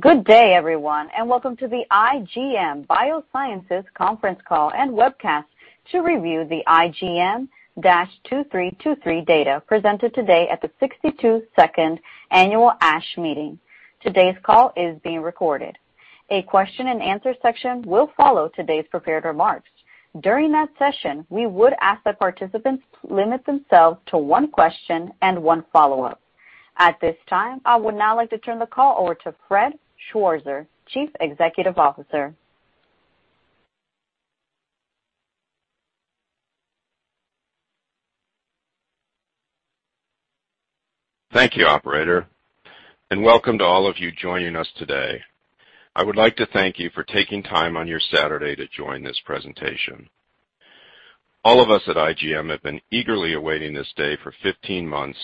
Good day everyone, and welcome to the IGM Biosciences conference call and webcast to review the IGM-2323 data presented today at the 62nd Annual ASH Meeting. Today's call is being recorded. A question-and-answer section will follow today's prepared remarks. During that session, we would ask that participants limit themselves to one question and one follow-up. At this time, I would now like to turn the call over to Fred Schwarzer, Chief Executive Officer. Thank you, operator, and welcome to all of you joining us today. I would like to thank you for taking time on your Saturday to join this presentation. All of us at IGM have been eagerly awaiting this day for 15 months,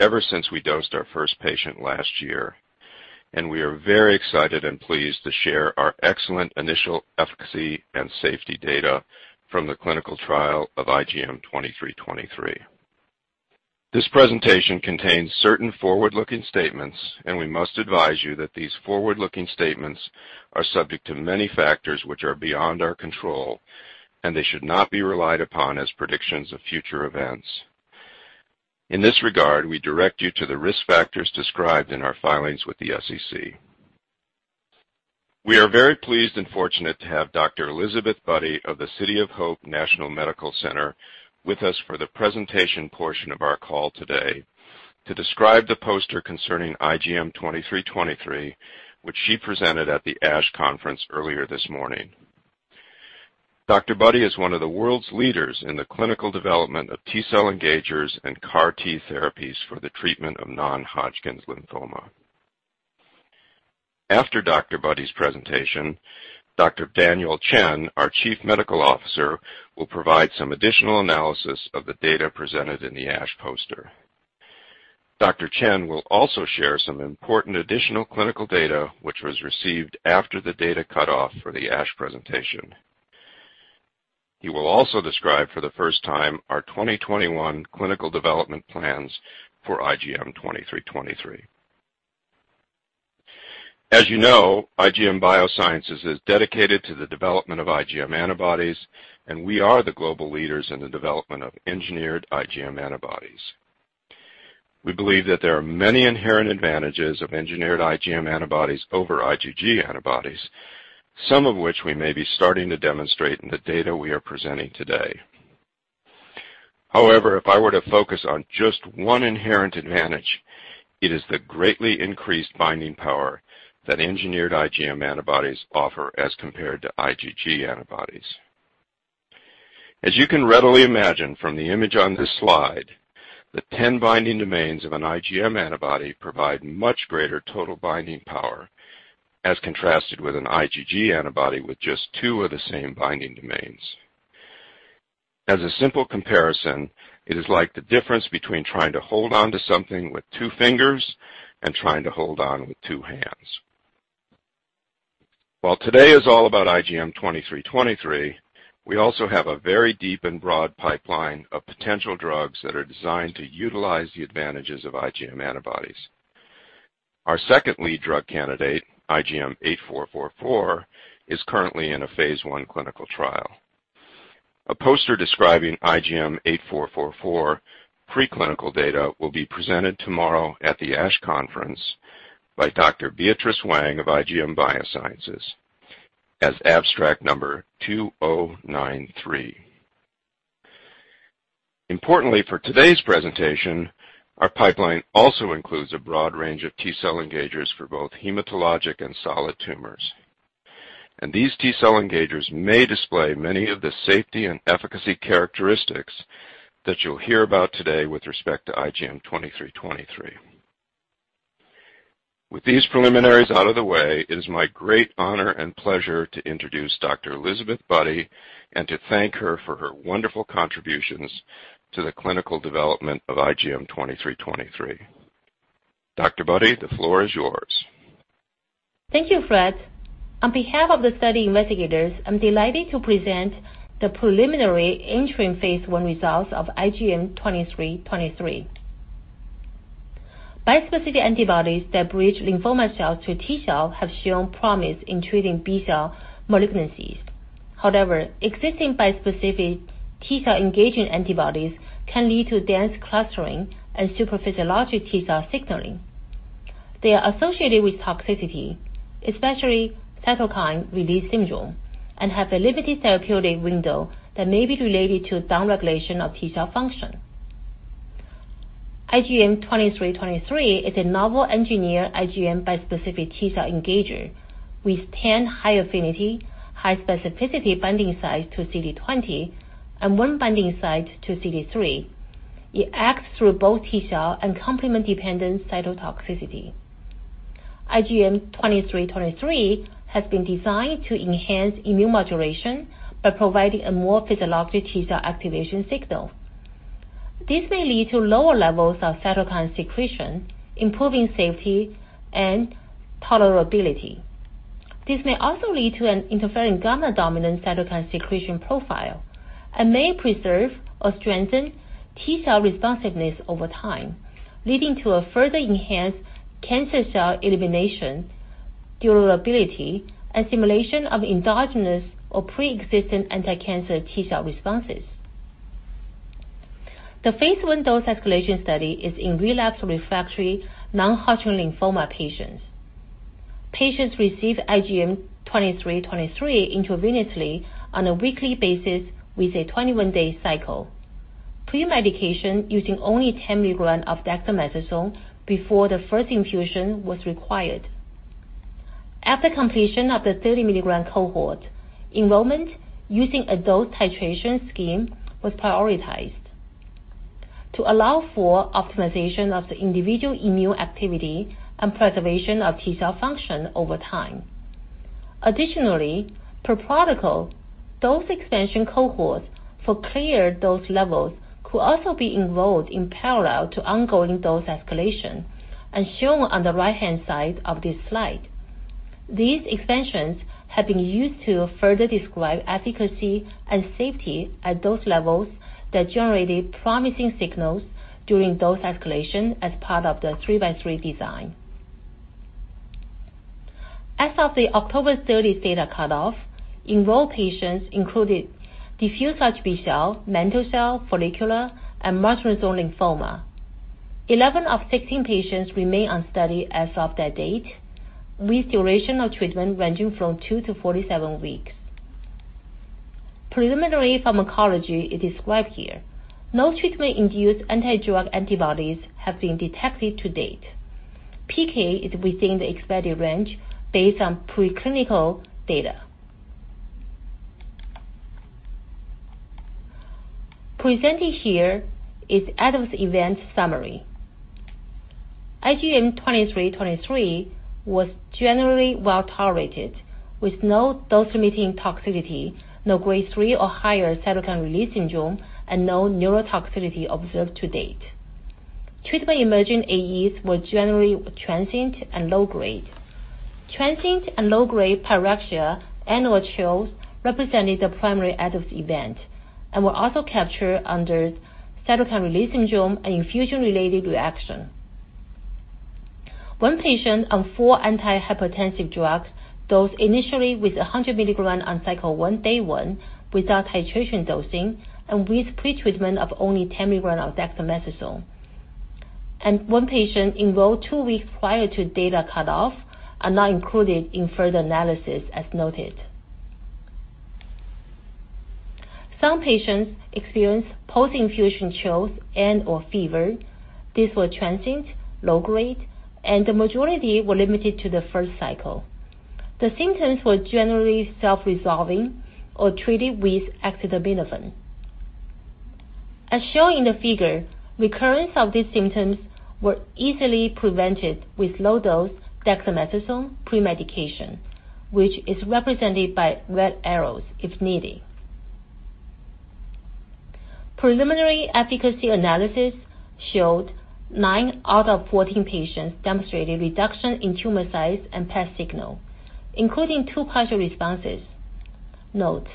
ever since we dosed our first patient last year, and we are very excited and pleased to share our excellent initial efficacy and safety data from the clinical trial of IGM-2323. This presentation contains certain forward-looking statements, and we must advise you that these forward-looking statements are subject to many factors which are beyond our control, and they should not be relied upon as predictions of future events. In this regard, we direct you to the risk factors described in our filings with the SEC. We are very pleased and fortunate to have Dr. Elizabeth Budde of the City of Hope National Medical Center with us for the presentation portion of our call today to describe the poster concerning IGM-2323, which she presented at the ASH conference earlier this morning. Dr. Budde is one of the world's leaders in the clinical development of T-cell engagers and CAR T therapies for the treatment of non-Hodgkin's lymphoma. After Dr. Budde's presentation, Dr. Daniel Chen, our Chief Medical Officer, will provide some additional analysis of the data presented in the ASH poster. Dr. Chen will also share some important additional clinical data, which was received after the data cutoff for the ASH presentation. He will also describe for the first time our 2021 clinical development plans for IGM-2323. As you know, IGM Biosciences is dedicated to the development of IgM antibodies, and we are the global leaders in the development of engineered IgM antibodies. We believe that there are many inherent advantages of engineered IgM antibodies over IgG antibodies, some of which we may be starting to demonstrate in the data we are presenting today. However, if I were to focus on just one inherent advantage, it is the greatly increased binding power that engineered IgM antibodies offer as compared to IgG antibodies. As you can readily imagine from the image on this slide, the 10 binding domains of an IgM antibody provide much greater total binding power as contrasted with an IgG antibody with just two of the same binding domains. As a simple comparison, it is like the difference between trying to hold onto something with two fingers and trying to hold on with two hands. While today is all about IGM-2323, we also have a very deep and broad pipeline of potential drugs that are designed to utilize the advantages of IgM antibodies. Our second lead drug candidate, IGM-8444, is currently in a phase I clinical trial. A poster describing IGM-8444 preclinical data will be presented tomorrow at the ASH conference by Dr. Beatrice Wang of IGM Biosciences as abstract number 2093. Importantly for today's presentation, our pipeline also includes a broad range of T-cell engagers for both hematologic and solid tumors. These T-cell engagers may display many of the safety and efficacy characteristics that you'll hear about today with respect to IGM-2323. With these preliminaries out of the way, it is my great honor and pleasure to introduce Dr. Elizabeth Budde and to thank her for her wonderful contributions to the clinical development of IGM-2323. Dr. Budde, the floor is yours. Thank you, Fred. On behalf of the study investigators, I'm delighted to present the preliminary interim phase I results of IGM-2323. Bispecific antibodies that bridge lymphoma cells to T-cell have shown promise in treating B-cell malignancies. However, existing bispecific T-cell engaging antibodies can lead to dense clustering and superphysiologic T-cell signaling. They are associated with toxicity, especially cytokine release syndrome, and have a limited therapeutic window that may be related to downregulation of T-cell function. IGM-2323 is a novel engineered IgM bispecific T-cell engager with 10 high affinity, high specificity binding sites to CD20 and one binding site to CD3. It acts through both T-cell and complement-dependent cytotoxicity. IGM-2323 has been designed to enhance immune modulation by providing a more physiologic T-cell activation signal. This may lead to lower levels of cytokine secretion, improving safety and tolerability. This may also lead to an interferon gamma dominant cytokine secretion profile and may preserve or strengthen T-cell responsiveness over time, leading to a further enhanced cancer cell elimination, durability, and simulation of endogenous or pre-existent anticancer T-cell responses. The phase I dose escalation study is in relapsed/refractory non-Hodgkin's lymphoma patients. Patients receive IGM-2323 intravenously on a weekly basis with a 21-day cycle. Premedication using only 10 milligrams of dexamethasone before the first infusion was required. After completion of the 30-mg cohort, enrollment using a dose titration scheme was prioritized to allow for optimization of the individual immune activity and preservation of T-cell function over time. Additionally, per protocol, dose expansion cohorts for clear dose levels could also be enrolled in parallel to ongoing dose escalation, as shown on the right-hand side of this slide. These expansions have been used to further describe efficacy and safety at dose levels that generated promising signals during dose escalation as part of the three-by-three design. As of the October 30th data cutoff, enrolled patients included diffuse large B-cell, mantle cell, follicular, and marginal zone lymphoma. 11 of 16 patients remain on study as of that date, with duration of treatment ranging from two to 47 weeks. Preliminary pharmacology is described here. No treatment-induced anti-drug antibodies have been detected to date. PK is within the expected range based on preclinical data. Presented here is adverse event summary. IGM-2323 was generally well-tolerated with no dose-limiting toxicity, no Grade 3 or higher cytokine release syndrome, and no neurotoxicity observed to date. Treatable emerging AEs were generally transient and low-grade. Transient and low-grade pyrexia and/or chills represented the primary adverse event and were also captured under cytokine release syndrome and infusion related reaction. One patient on four antihypertensive drugs dosed initially with 100 mg on cycle one, day one without titration dosing and with pretreatment of only 10 mg of dexamethasone. One patient enrolled two weeks prior to data cutoff and not included in further analysis as noted. Some patients experienced post-infusion chills and/or fever. These were transient, low-grade, and the majority were limited to the first cycle. The symptoms were generally self-resolving or treated with acetaminophen. As shown in the figure, recurrence of these symptoms were easily prevented with low-dose dexamethasone pre-medication, which is represented by red arrows if needed. Preliminary efficacy analysis showed nine out of 14 patients demonstrated reduction in tumor size and PET signal, including two partial responses. Note,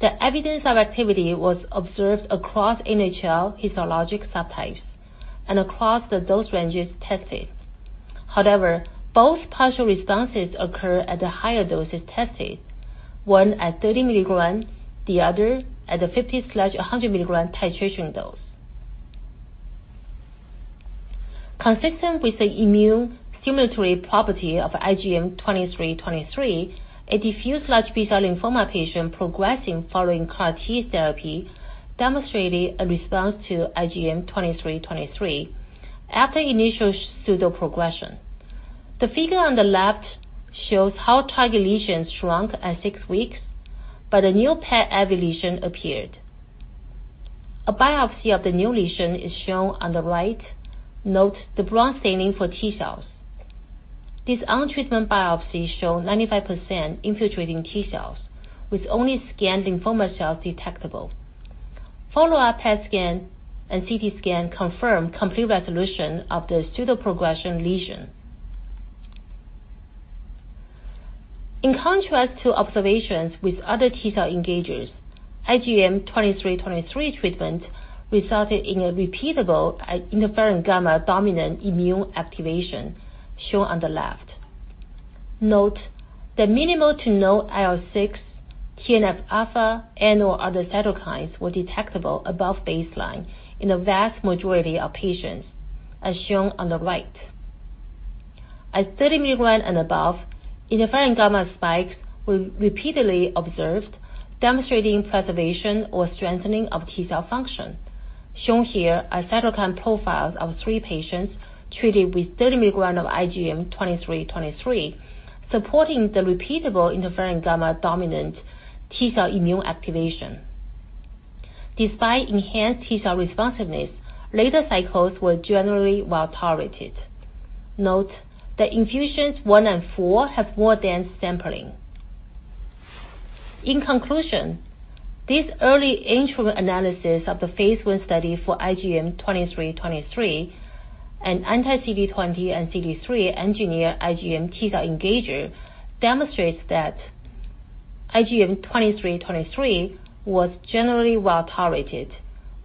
the evidence of activity was observed across NHL histologic subtypes and across the dose ranges tested. Both partial responses occur at the higher doses tested, one at 30 mg, the other at the 50/100 mg titration dose. Consistent with the immune stimulatory property of IGM-2323, a diffuse large B-cell lymphoma patient progressing following CAR T therapy demonstrated a response to IGM-2323 after initial pseudoprogression. The figure on the left shows how target lesions shrunk at six weeks, but a new PET-avid lesion appeared. A biopsy of the new lesion is shown on the right. Note the brown staining for T-cells. This on-treatment biopsy showed 95% infiltrating T-cells with only scant lymphoma cells detectable. Follow-up PET scan and CT scan confirmed complete resolution of the pseudoprogression lesion. In contrast to observations with other T-cell engagers, IGM-2323 treatment resulted in a repeatable interferon gamma dominant immune activation, shown on the left. Note that minimal to no IL-6, TNF-alpha, and/or other cytokines were detectable above baseline in a vast majority of patients, as shown on the right. At 30 mg and above, interferon gamma spikes were repeatedly observed, demonstrating preservation or strengthening of T-cell function. Shown here are cytokine profiles of three patients treated with 30 mg of IGM-2323, supporting the repeatable interferon gamma dominant T-cell immune activation. Despite enhanced T-cell responsiveness, later cycles were generally well-tolerated. Note that infusions one and four have more dense sampling. In conclusion, this early interim analysis of the phase I study for IGM-2323, an anti-CD20 and CD3 engineered IgM T-cell engager, demonstrates that IGM-2323 was generally well-tolerated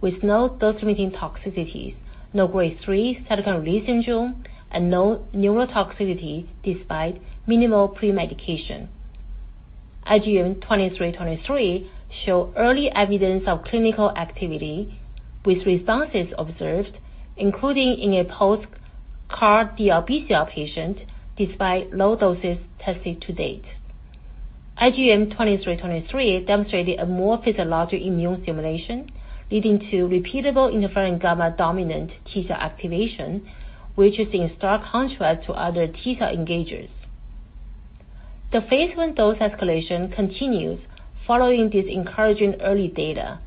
with no dose-limiting toxicities, no Grade 3 cytokine release syndrome, and no neurotoxicity despite minimal pre-medication. IGM-2323 showed early evidence of clinical activity with responses observed, including in a post-CAR DLBCL patient, despite low doses tested to date. IGM-2323 demonstrated a more physiologic immune stimulation, leading to repeatable interferon gamma-dominant T-cell activation, which is in stark contrast to other T-cell engagers. The phase I dose escalation continues following this encouraging early data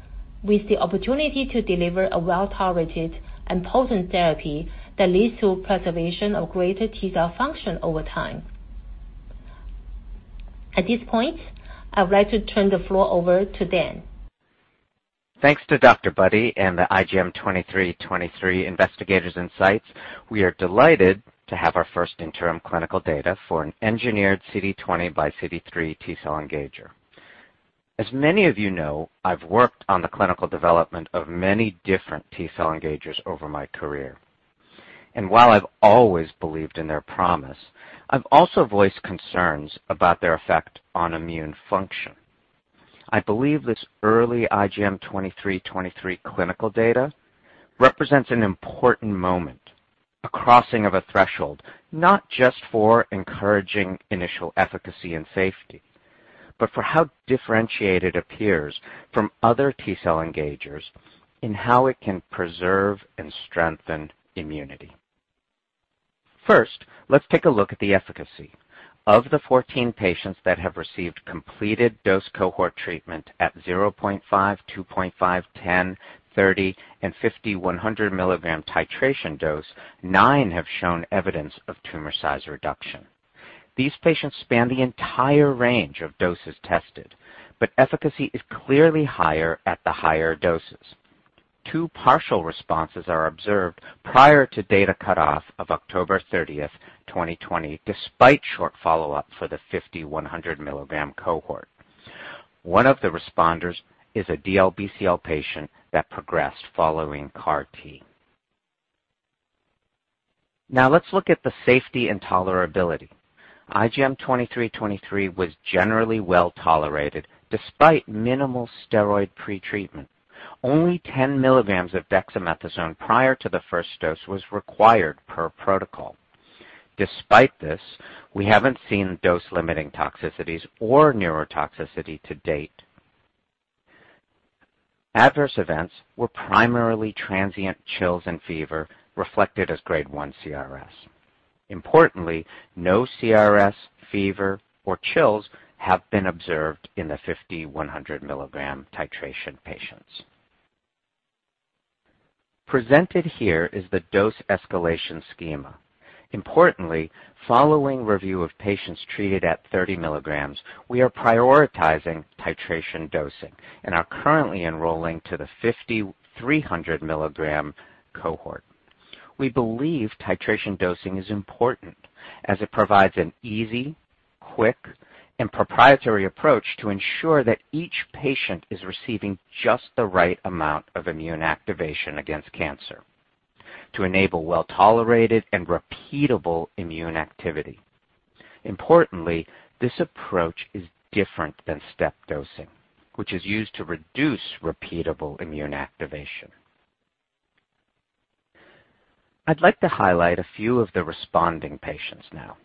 with the opportunity to deliver a well-tolerated and potent therapy that leads to preservation of greater T-cell function over time. At this point, I would like to turn the floor over to Dan. Thanks to Dr. Budde and the IGM-2323 investigators and sites. We are delighted to have our first interim clinical data for an engineered CD20 by CD3 T-cell engager. As many of you know, I've worked on the clinical development of many different T-cell engagers over my career. While I've always believed in their promise, I've also voiced concerns about their effect on immune function. I believe this early IGM-2323 clinical data represents an important moment, a crossing of a threshold, not just for encouraging initial efficacy and safety, but for how differentiated appears from other T-cell engagers in how it can preserve and strengthen immunity. First, let's take a look at the efficacy. Of the 14 patients that have received completed dose cohort treatment at 0.5, 2.5, 10, 30, and 50, 100 mg titration dose, nine have shown evidence of tumor size reduction. These patients span the entire range of doses tested, but efficacy is clearly higher at the higher doses. Two partial responses are observed prior to data cutoff of October 30th, 2020, despite short follow-up for the 50, 100 mg cohort. One of the responders is a DLBCL patient that progressed following CAR T. Now let's look at the safety and tolerability. IGM-2323 was generally well-tolerated despite minimal steroid pretreatment. Only 10 mg of dexamethasone prior to the first dose was required per protocol. Despite this, we haven't seen dose-limiting toxicities or neurotoxicity to date. Adverse events were primarily transient chills and fever reflected as Grade 1 CRS. Importantly, no CRS, fever, or chills have been observed in the 50, 100 mg titration patients. Presented here is the dose escalation schema. Importantly, following review of patients treated at 30 mg, we are prioritizing titration dosing and are currently enrolling to the 50, 300 mg cohort. We believe titration dosing is important as it provides an easy, quick, and proprietary approach to ensure that each patient is receiving just the right amount of immune activation against cancer to enable well-tolerated and repeatable immune activity. Importantly, this approach is different than step dosing, which is used to reduce repeatable immune activation. I'd like to highlight a few of the responding patients now.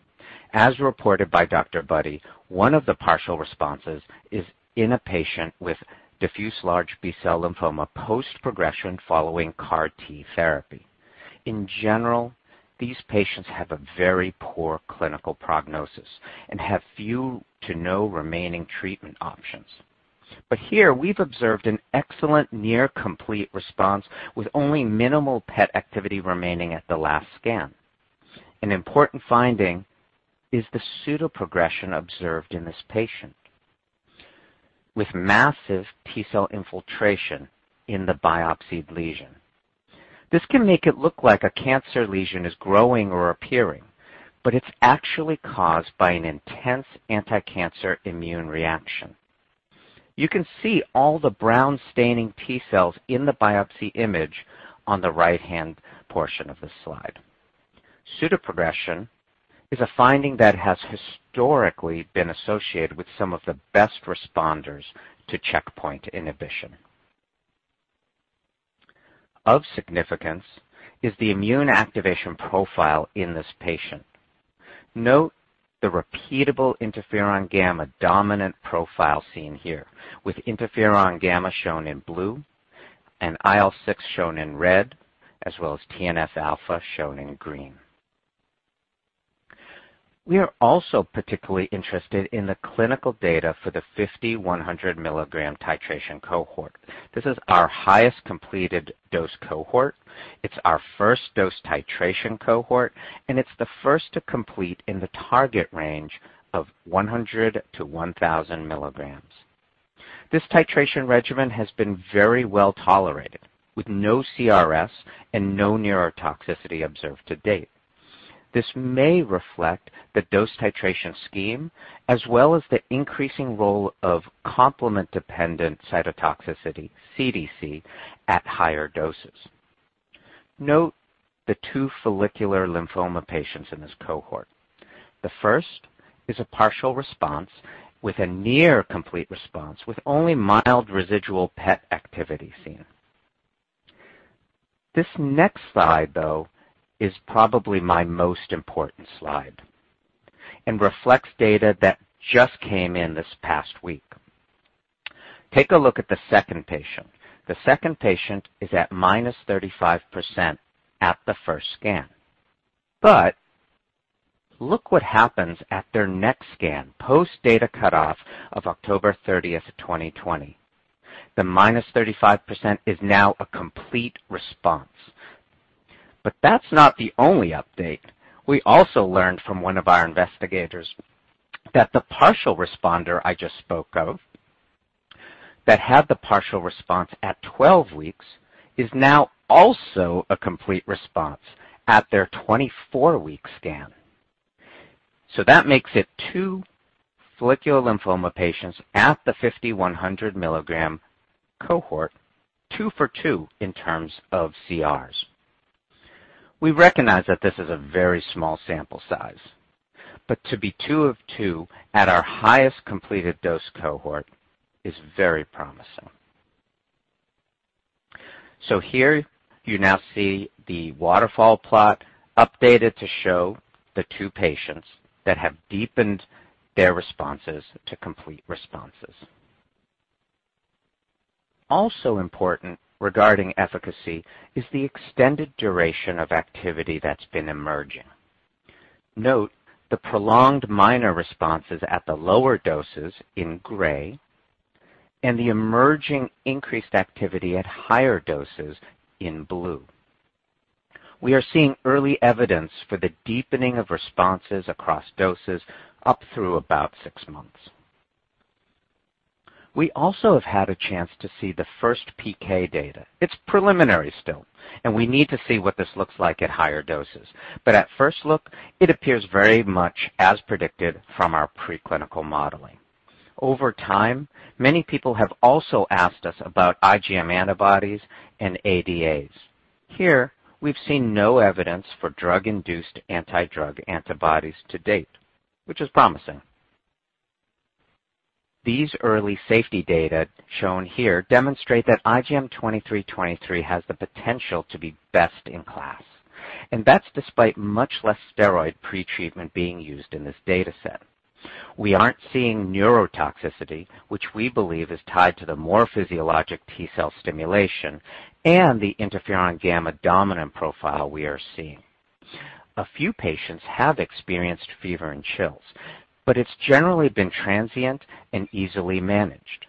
As reported by Dr. Budde, one of the partial responses is in a patient with diffuse large B-cell lymphoma post-progression following CAR T therapy. In general, these patients have a very poor clinical prognosis and have few to no remaining treatment options. Here we've observed an excellent near-complete response with only minimal PET activity remaining at the last scan. An important finding is the pseudoprogression observed in this patient with massive T-cell infiltration in the biopsied lesion. This can make it look like a cancer lesion is growing or appearing, but it is actually caused by an intense anticancer immune reaction. You can see all the brown staining T-cells in the biopsy image on the right-hand portion of this slide. Pseudoprogression is a finding that has historically been associated with some of the best responders to checkpoint inhibition. Of significance is the immune activation profile in this patient. Note the repeatable interferon gamma dominant profile seen here, with interferon gamma shown in blue and IL-6 shown in red, as well as TNF-alpha shown in green. We are also particularly interested in the clinical data for the 50, 100 mg titration cohort. This is our highest completed dose cohort. It's our first dose titration cohort, and it's the first to complete in the target range of 100-1,000 mg. This titration regimen has been very well tolerated, with no CRS and no neurotoxicity observed to date. This may reflect the dose titration scheme, as well as the increasing role of complement-dependent cytotoxicity, CDC, at higher doses. Note the two follicular lymphoma patients in this cohort. The first is a partial response with a near complete response with only mild residual PET activity seen. This next slide, though, is probably my most important slide and reflects data that just came in this past week. Take a look at the second patient. The second patient is at -35% at the first scan. Look what happens at their next scan, post-data cutoff of October 30th, 2020. The -35% is now a complete response. That's not the only update. We also learned from one of our investigators that the partial responder I just spoke of that had the partial response at 12 weeks is now also a complete response at their 24-week scan. That makes it two follicular lymphoma patients at the 50, 100 mg cohort, two for two in terms of CRs. We recognize that this is a very small sample size, to be 2 of 2 at our highest completed dose cohort is very promising. Here you now see the waterfall plot updated to show the two patients that have deepened their responses to complete responses. Also important regarding efficacy is the extended duration of activity that's been emerging. Note the prolonged minor responses at the lower doses in gray and the emerging increased activity at higher doses in blue. We are seeing early evidence for the deepening of responses across doses up through about six months. We also have had a chance to see the first PK data. It's preliminary still, and we need to see what this looks like at higher doses. At first look, it appears very much as predicted from our pre-clinical modeling. Over time, many people have also asked us about IgM antibodies and ADAs. Here, we've seen no evidence for drug-induced anti-drug antibodies to date, which is promising. These early safety data shown here demonstrate that IGM-2323 has the potential to be best in class, and that's despite much less steroid pre-treatment being used in this data set. We aren't seeing neurotoxicity, which we believe is tied to the more physiologic T-cell stimulation and the interferon gamma dominant profile we are seeing. A few patients have experienced fever and chills. It's generally been transient and easily managed.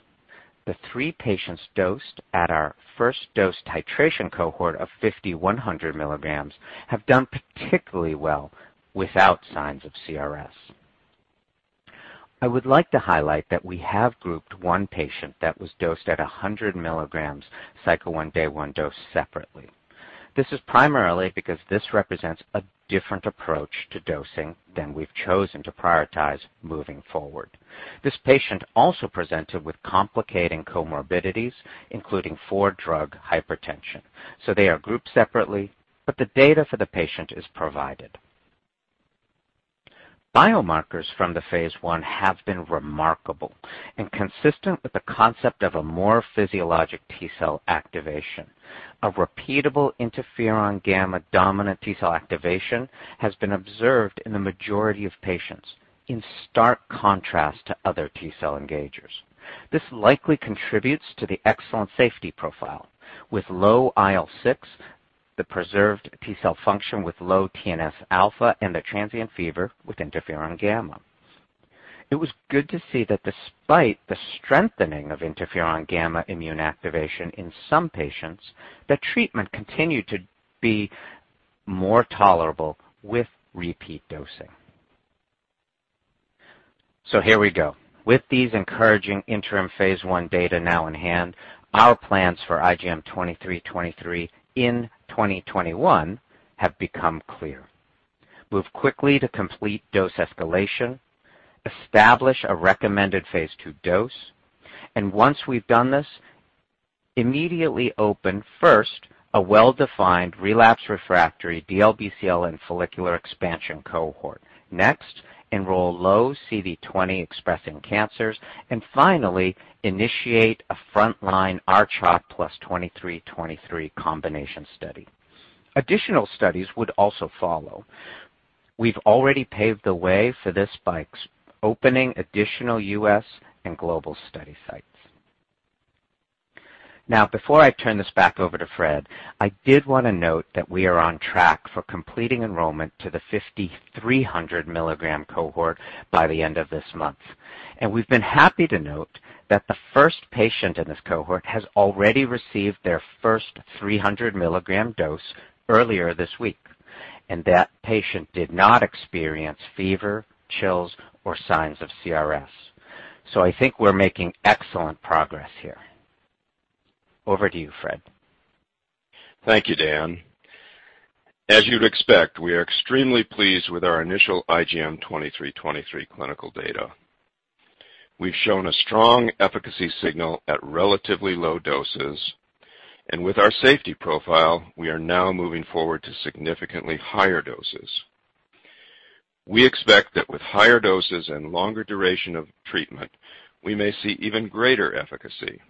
The three patients dosed at our first dose titration cohort of 50, 100 mg have done particularly well without signs of CRS. I would like to highlight that we have grouped one patient that was dosed at 100 mg cycle one, day one dose separately. This is primarily because this represents a different approach to dosing than we've chosen to prioritize moving forward. This patient also presented with complicating comorbidities, including four-drug hypertension. They are grouped separately. The data for the patient is provided. Biomarkers from the phase I have been remarkable and consistent with the concept of a more physiologic T-cell activation. A repeatable interferon gamma dominant T-cell activation has been observed in the majority of patients, in stark contrast to other T-cell engagers. This likely contributes to the excellent safety profile, with low IL-6, the preserved T-cell function with low TNF-alpha, and the transient fever with interferon gamma. It was good to see that despite the strengthening of interferon gamma immune activation in some patients, the treatment continued to be more tolerable with repeat dosing. Here we go. With these encouraging interim phase I data now in hand, our plans for IGM-2323 in 2021 have become clear. Move quickly to complete dose escalation, establish a recommended phase II dose, and once we've done this, immediately open first a well-defined relapse refractory DLBCL and follicular expansion cohort. Next, enroll low CD20-expressing cancers, and finally, initiate a frontline R-CHOP plus 2323 combination study. Additional studies would also follow. We've already paved the way for this by opening additional U.S. and global study sites. Now, before I turn this back over to Fred, I did want to note that we are on track for completing enrollment to the 50, 300 mg cohort by the end of this month. We've been happy to note that the first patient in this cohort has already received their first 300 mg dose earlier this week. That patient did not experience fever, chills, or signs of CRS. I think we're making excellent progress here. Over to you, Fred. Thank you, Dan. As you'd expect, we are extremely pleased with our initial IGM-2323 clinical data. We've shown a strong efficacy signal at relatively low doses, and with our safety profile, we are now moving forward to significantly higher doses. We expect that with higher doses and longer duration of treatment, we may see even greater efficacy.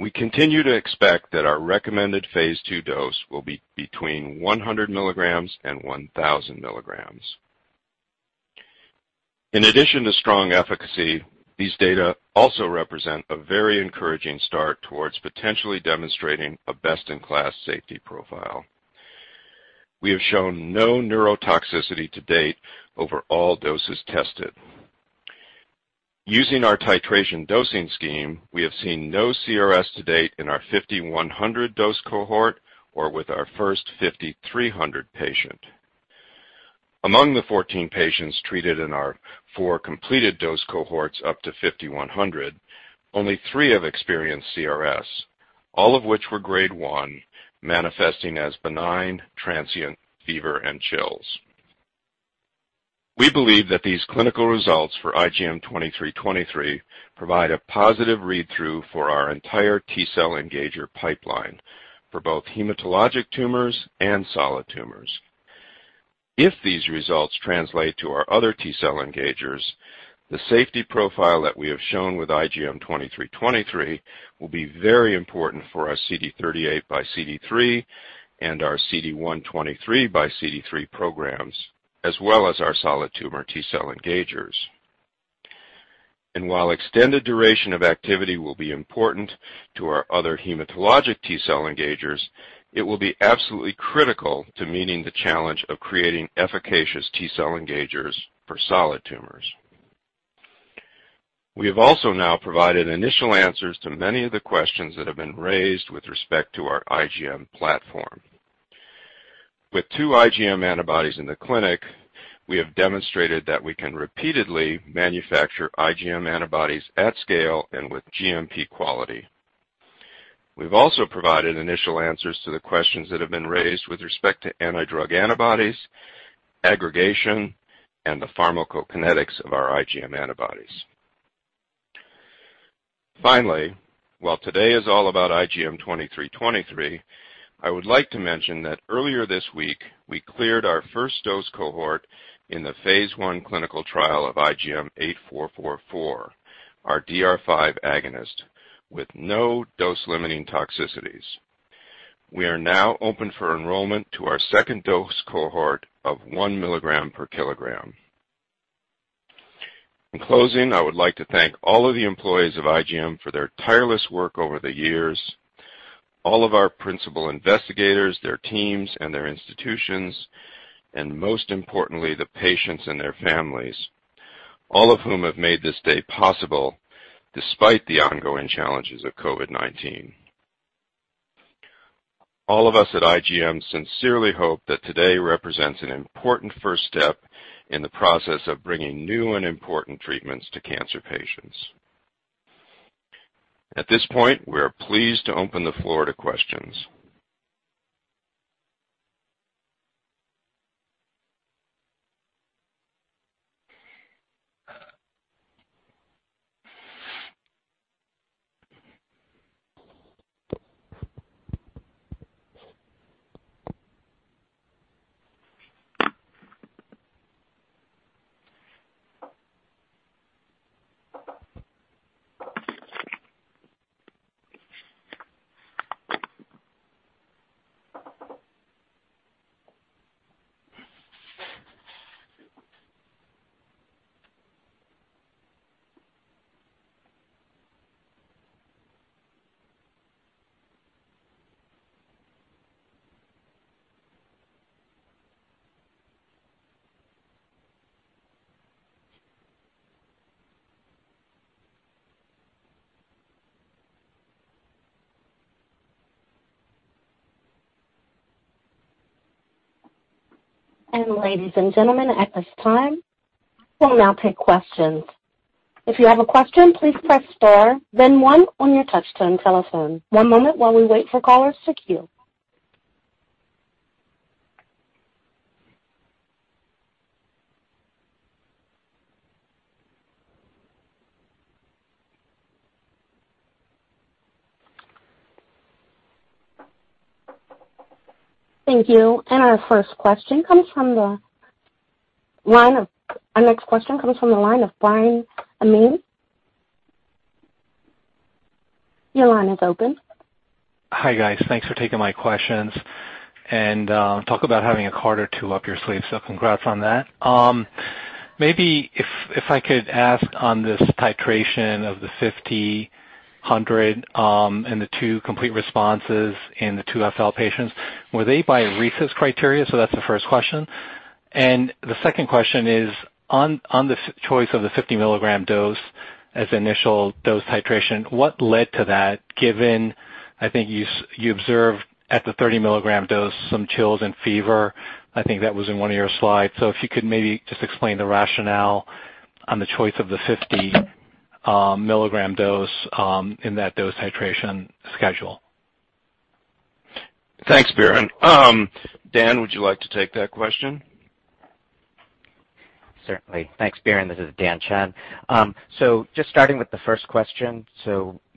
We continue to expect that our recommended phase II dose will be between 100 mg and 1,000 mg. In addition to strong efficacy, these data also represent a very encouraging start towards potentially demonstrating a best-in-class safety profile. We have shown no neurotoxicity to date over all doses tested. Using our titration dosing scheme, we have seen no CRS to date in our 50, 100 mg dose cohort or with our first 50, 300 mg patient. Among the 14 patients treated in our four completed dose cohorts up to 50, 100 mg, only three have experienced CRS, all of which were Grade 1, manifesting as benign transient fever and chills. We believe that these clinical results for IGM-2323 provide a positive read-through for our entire T-cell engager pipeline for both hematologic tumors and solid tumors. If these results translate to our other T-cell engagers, the safety profile that we have shown with IGM-2323 will be very important for our CD38 by CD3 and our CD123 by CD3 programs, as well as our solid tumor T-cell engagers. While extended duration of activity will be important to our other hematologic T-cell engagers, it will be absolutely critical to meeting the challenge of creating efficacious T-cell engagers for solid tumors. We have also now provided initial answers to many of the questions that have been raised with respect to our IGM platform. With two IgM antibodies in the clinic, we have demonstrated that we can repeatedly manufacture IgM antibodies at scale and with GMP quality. We've also provided initial answers to the questions that have been raised with respect to anti-drug antibodies, aggregation, and the pharmacokinetics of our IgM antibodies. Finally, while today is all about IGM-2323, I would like to mention that earlier this week, we cleared our first dose cohort in the phase I clinical trial of IGM-8444, our DR5 agonist, with no dose-limiting toxicities. We are now open for enrollment to our second dose cohort of 1 mg/kg. In closing, I would like to thank all of the employees of IGM for their tireless work over the years, all of our principal investigators, their teams, and their institutions, and most importantly, the patients and their families, all of whom have made this day possible despite the ongoing challenges of COVID-19. All of us at IGM sincerely hope that today represents an important first step in the process of bringing new and important treatments to cancer patients. At this point, we are pleased to open the floor to questions. Ladies and gentlemen, at this time, we'll now take questions. If you have a question, please press star then one on your touch-tone telephone. One moment while we wait for callers to queue. Thank you. Our next question comes from the line of Biren Amin. Your line is open. Hi, guys. Thanks for taking my questions, and talk about having a card or two up your sleeve, so congrats on that. Maybe if I could ask on this titration of the 50, 100 mg and the two complete responses in the two FL patients, were they by RECIST criteria? That's the first question. The second question is, on the choice of the 50 mg dose as initial dose titration, what led to that, given, I think you observed at the 30 mg dose some chills and fever. I think that was in one of your slides. If you could maybe just explain the rationale on the choice of the 50 mg dose in that dose titration schedule. Thanks, Biren. Dan, would you like to take that question? Certainly. Thanks, Biren. This is Dan Chen. Just starting with the first question.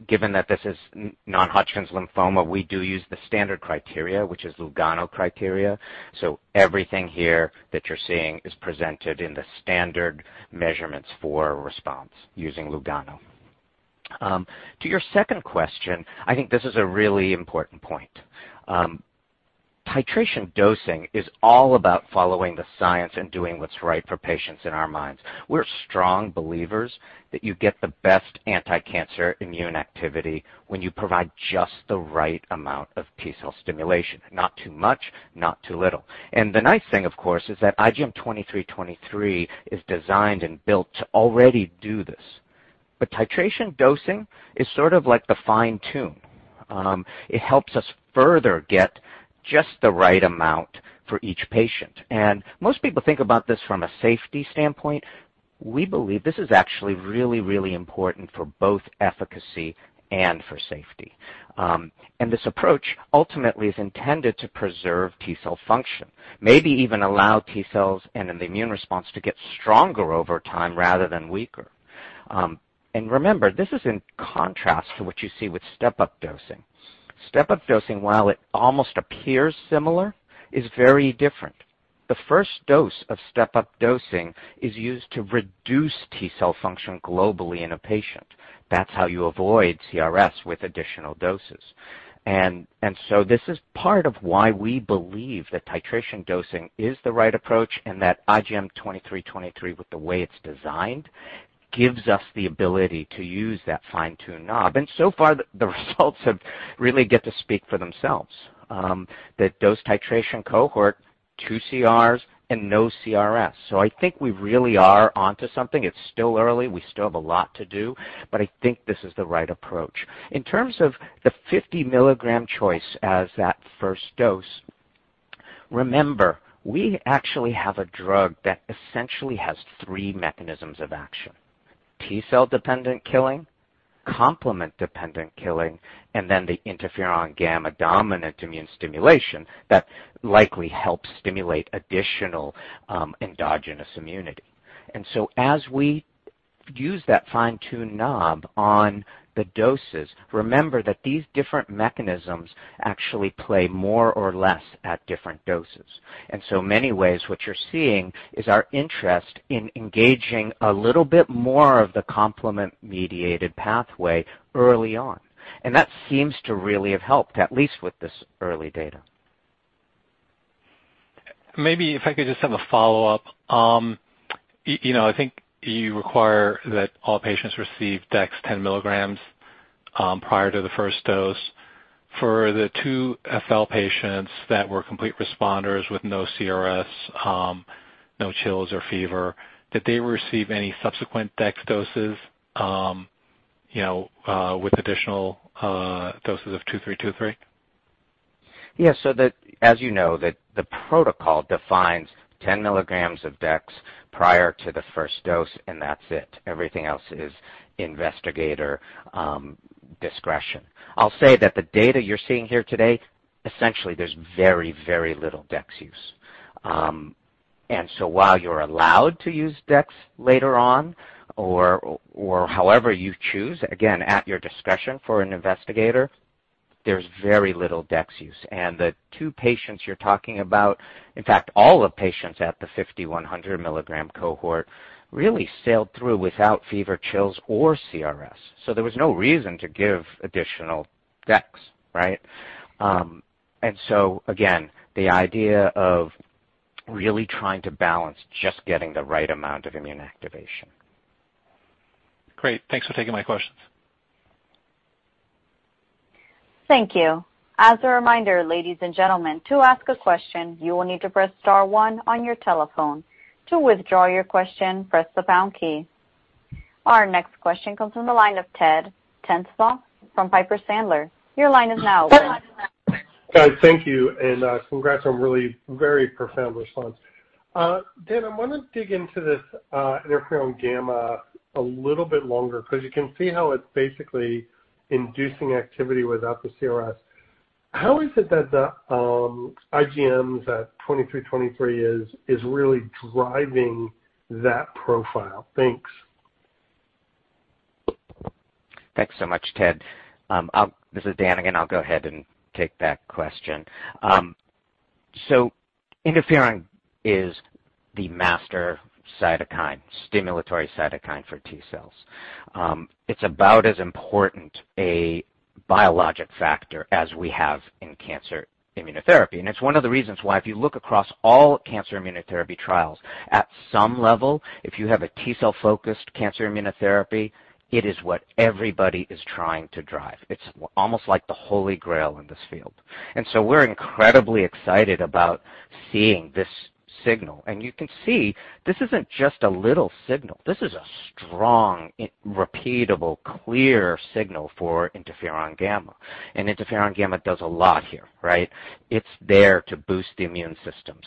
Given that this is non-Hodgkin's lymphoma, we do use the standard criteria, which is Lugano criteria. Everything here that you're seeing is presented in the standard measurements for response using Lugano. To your second question, I think this is a really important point. Titration dosing is all about following the science and doing what's right for patients in our minds. We're strong believers that you get the best anticancer immune activity when you provide just the right amount of T-cell stimulation. Not too much, not too little. The nice thing, of course, is that IGM-2323 is designed and built to already do this. Titration dosing is sort of like the fine tune. It helps us further get just the right amount for each patient. Most people think about this from a safety standpoint. We believe this is actually really, really important for both efficacy and for safety. This approach ultimately is intended to preserve T-cell function, maybe even allow T-cells and an immune response to get stronger over time rather than weaker. Remember, this is in contrast to what you see with step-up dosing. Step-up dosing, while it almost appears similar, is very different. The first dose of step-up dosing is used to reduce T-cell function globally in a patient. That's how you avoid CRS with additional doses. This is part of why we believe that titration dosing is the right approach and that IGM-2323, with the way it's designed, gives us the ability to use that fine-tune knob. So far, the results really get to speak for themselves. That dose titration cohort, two CRs and no CRS. I think we really are onto something. It's still early. We still have a lot to do, but I think this is the right approach. In terms of the 50 mg choice as that first dose, remember, we actually have a drug that essentially has three mechanisms of action. T-cell-dependent killing, complement-dependent killing, and then the interferon gamma dominant immune stimulation that likely helps stimulate additional endogenous immunity. As we use that fine-tune knob on the doses, remember that these different mechanisms actually play more or less at different doses. Many ways what you're seeing is our interest in engaging a little bit more of the complement-mediated pathway early on. That seems to really have helped, at least with this early data. Maybe if I could just have a follow-up. I think you require that all patients receive dex 10 mg prior to the first dose. For the two FL patients that were complete responders with no CRS, no chills or fever, did they receive any subsequent dex doses with additional doses of 2323? Yeah. As you know, the protocol defines 10 milligrams of dex prior to the first dose, and that's it. Everything else is investigator discretion. I'll say that the data you're seeing here today, essentially, there's very, very little dex use. While you're allowed to use dex later on or however you choose, again, at your discretion for an investigator, there's very little dex use. The two patients you're talking about, in fact, all the patients at the 50, 100 mg cohort really sailed through without fever, chills, or CRS. There was no reason to give additional dex, right? Again, the idea of really trying to balance just getting the right amount of immune activation. Great. Thanks for taking my questions. Thank you. Our next question comes from the line of Ted Tenthoff from Piper Sandler. Your line is now open. Thank you. Congrats on really very profound response. Dan, I want to dig into this interferon gamma a little bit longer because you can see how it's basically inducing activity without the CRS. How is it that the IGM-2323 is really driving that profile? Thanks. Thanks so much, Ted. This is Dan again. I'll go ahead and take that question. interferon is the master cytokine, stimulatory cytokine for T-cells. It's about as important a biologic factor as we have in cancer immunotherapy. It's one of the reasons why if you look across all cancer immunotherapy trials, at some level, if you have a T-cell-focused cancer immunotherapy, it is what everybody is trying to drive. It's almost like the holy grail in this field. We're incredibly excited about seeing this signal. You can see this isn't just a little signal. This is a strong, repeatable, clear signal for interferon gamma. interferon gamma does a lot here, right? It's there to boost the immune system.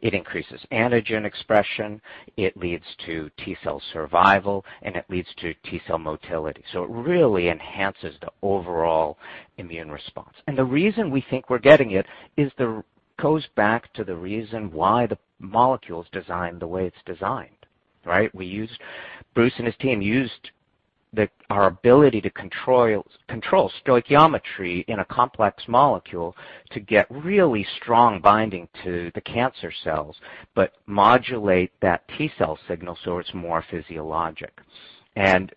It increases antigen expression, it leads to T-cell survival, and it leads to T-cell motility. It really enhances the overall immune response. The reason we think we're getting it, goes back to the reason why the molecule's designed the way it's designed, right? Bruce and his team used our ability to control stoichiometry in a complex molecule to get really strong binding to the cancer cells, but modulate that T-cell signal so it's more physiologic.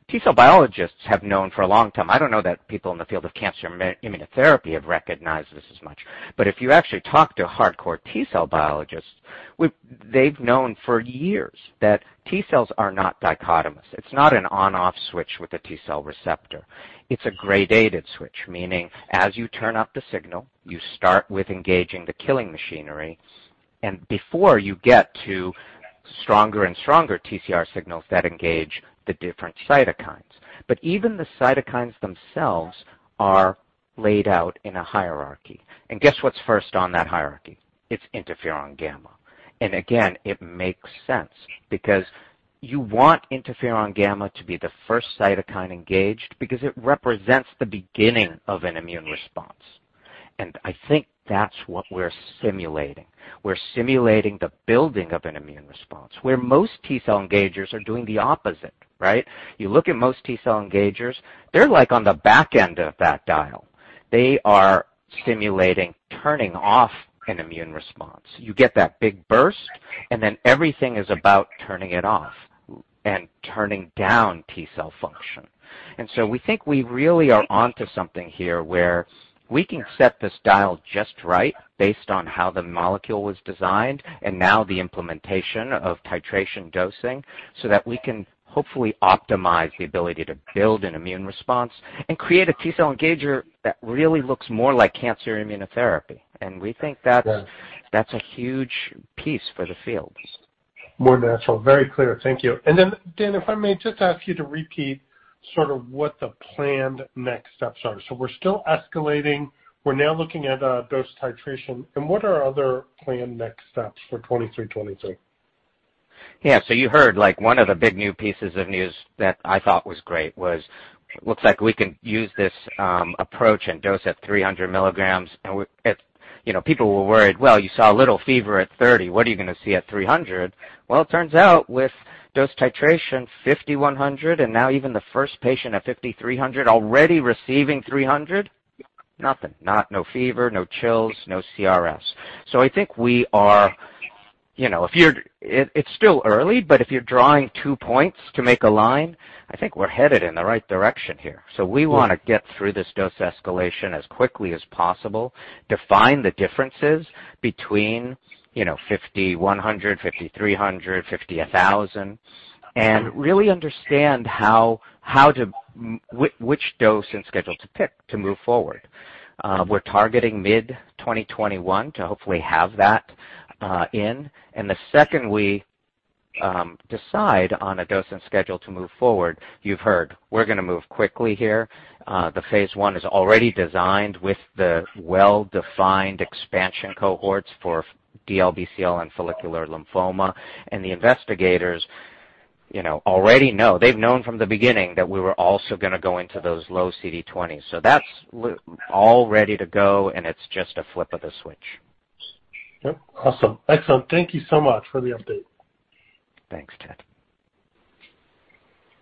T-cell biologists have known for a long time. I don't know that people in the field of cancer immunotherapy have recognized this as much, but if you actually talk to a hardcore T-cell biologist, they've known for years that T-cells are not dichotomous. It's not an on/off switch with a T-cell receptor. It's a gradated switch, meaning as you turn up the signal, you start with engaging the killing machinery, and before you get to stronger and stronger TCR signals that engage the different cytokines. Even the cytokines themselves are laid out in a hierarchy. Guess what's first on that hierarchy? It's interferon gamma. Again, it makes sense because you want interferon gamma to be the first cytokine engaged because it represents the beginning of an immune response. I think that's what we're simulating. We're simulating the building of an immune response, where most T-cell engagers are doing the opposite, right? You look at most T-cell engagers, they're like on the back end of that dial. They are simulating turning off an immune response. You get that big burst, and then everything is about turning it off and turning down T-cell function. We think we really are onto something here where we can set this dial just right based on how the molecule was designed and now the implementation of titration dosing so that we can hopefully optimize the ability to build an immune response and create a T-cell engager that really looks more like cancer immunotherapy. We think that's a huge piece for the field. More natural. Very clear. Thank you. Dan, if I may just ask you to repeat sort of what the planned next steps are. We're still escalating. We're now looking at dose titration and what are other planned next steps for IGM-2323? Yeah. You heard one of the big new pieces of news that I thought was great was it looks like we can use this approach and dose at 300 mg. People were worried, "Well, you saw a little fever at 30. What are you going to see at 300?" Well, it turns out with dose titration, 50, 100 mg and now even the first patient at 50, 300 mg already receiving 300 mg, nothing. No fever, no chills, no CRS. I think it's still early, but if you're drawing two points to make a line, I think we're headed in the right direction here. We want to get through this dose escalation as quickly as possible, define the differences between 5/100, 5/300, 5/1000, and really understand which dose and schedule to pick to move forward. We're targeting mid-2021 to hopefully have that in. The second we decide on a dose and schedule to move forward, you've heard we're going to move quickly here. The phase I is already designed with the well-defined expansion cohorts for DLBCL and follicular lymphoma, and the investigators already know. They've known from the beginning that we were also going to go into those low CD20. That's all ready to go, and it's just a flip of the switch. Yep. Awesome. Excellent. Thank you so much for the update. Thanks, Ted.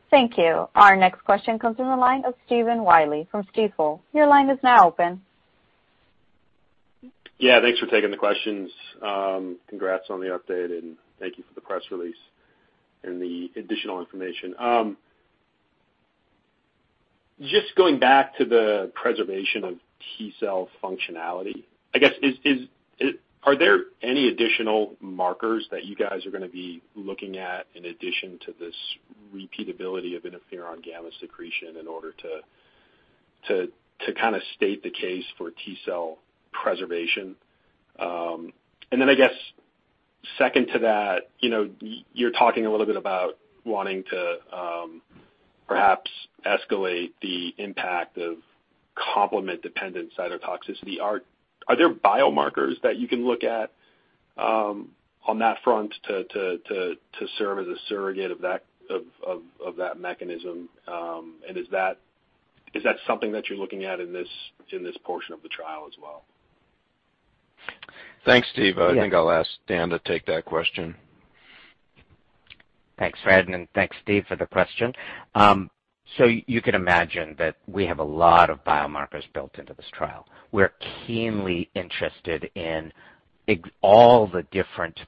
Thank you. Our next question comes in the line of Stephen Willey from Stifel. Your line is now open. Yeah. Thanks for taking the questions. Congrats on the update, and thank you for the press release and the additional information. Just going back to the preservation of T-cell functionality, I guess are there any additional markers that you guys are going to be looking at in addition to this repeatability of interferon gamma secretion in order to kind of state the case for T-cell preservation? I guess second to that, you're talking a little bit about wanting to perhaps escalate the impact of complement-dependent cytotoxicity. Are there biomarkers that you can look at on that front to serve as a surrogate of that mechanism? Is that something that you're looking at in this portion of the trial as well? Thanks, Steve. I think I'll ask Dan to take that question. Thanks, Fred, and thanks, Steve, for the question. You can imagine that we have a lot of biomarkers built into this trial. We're keenly interested in all the different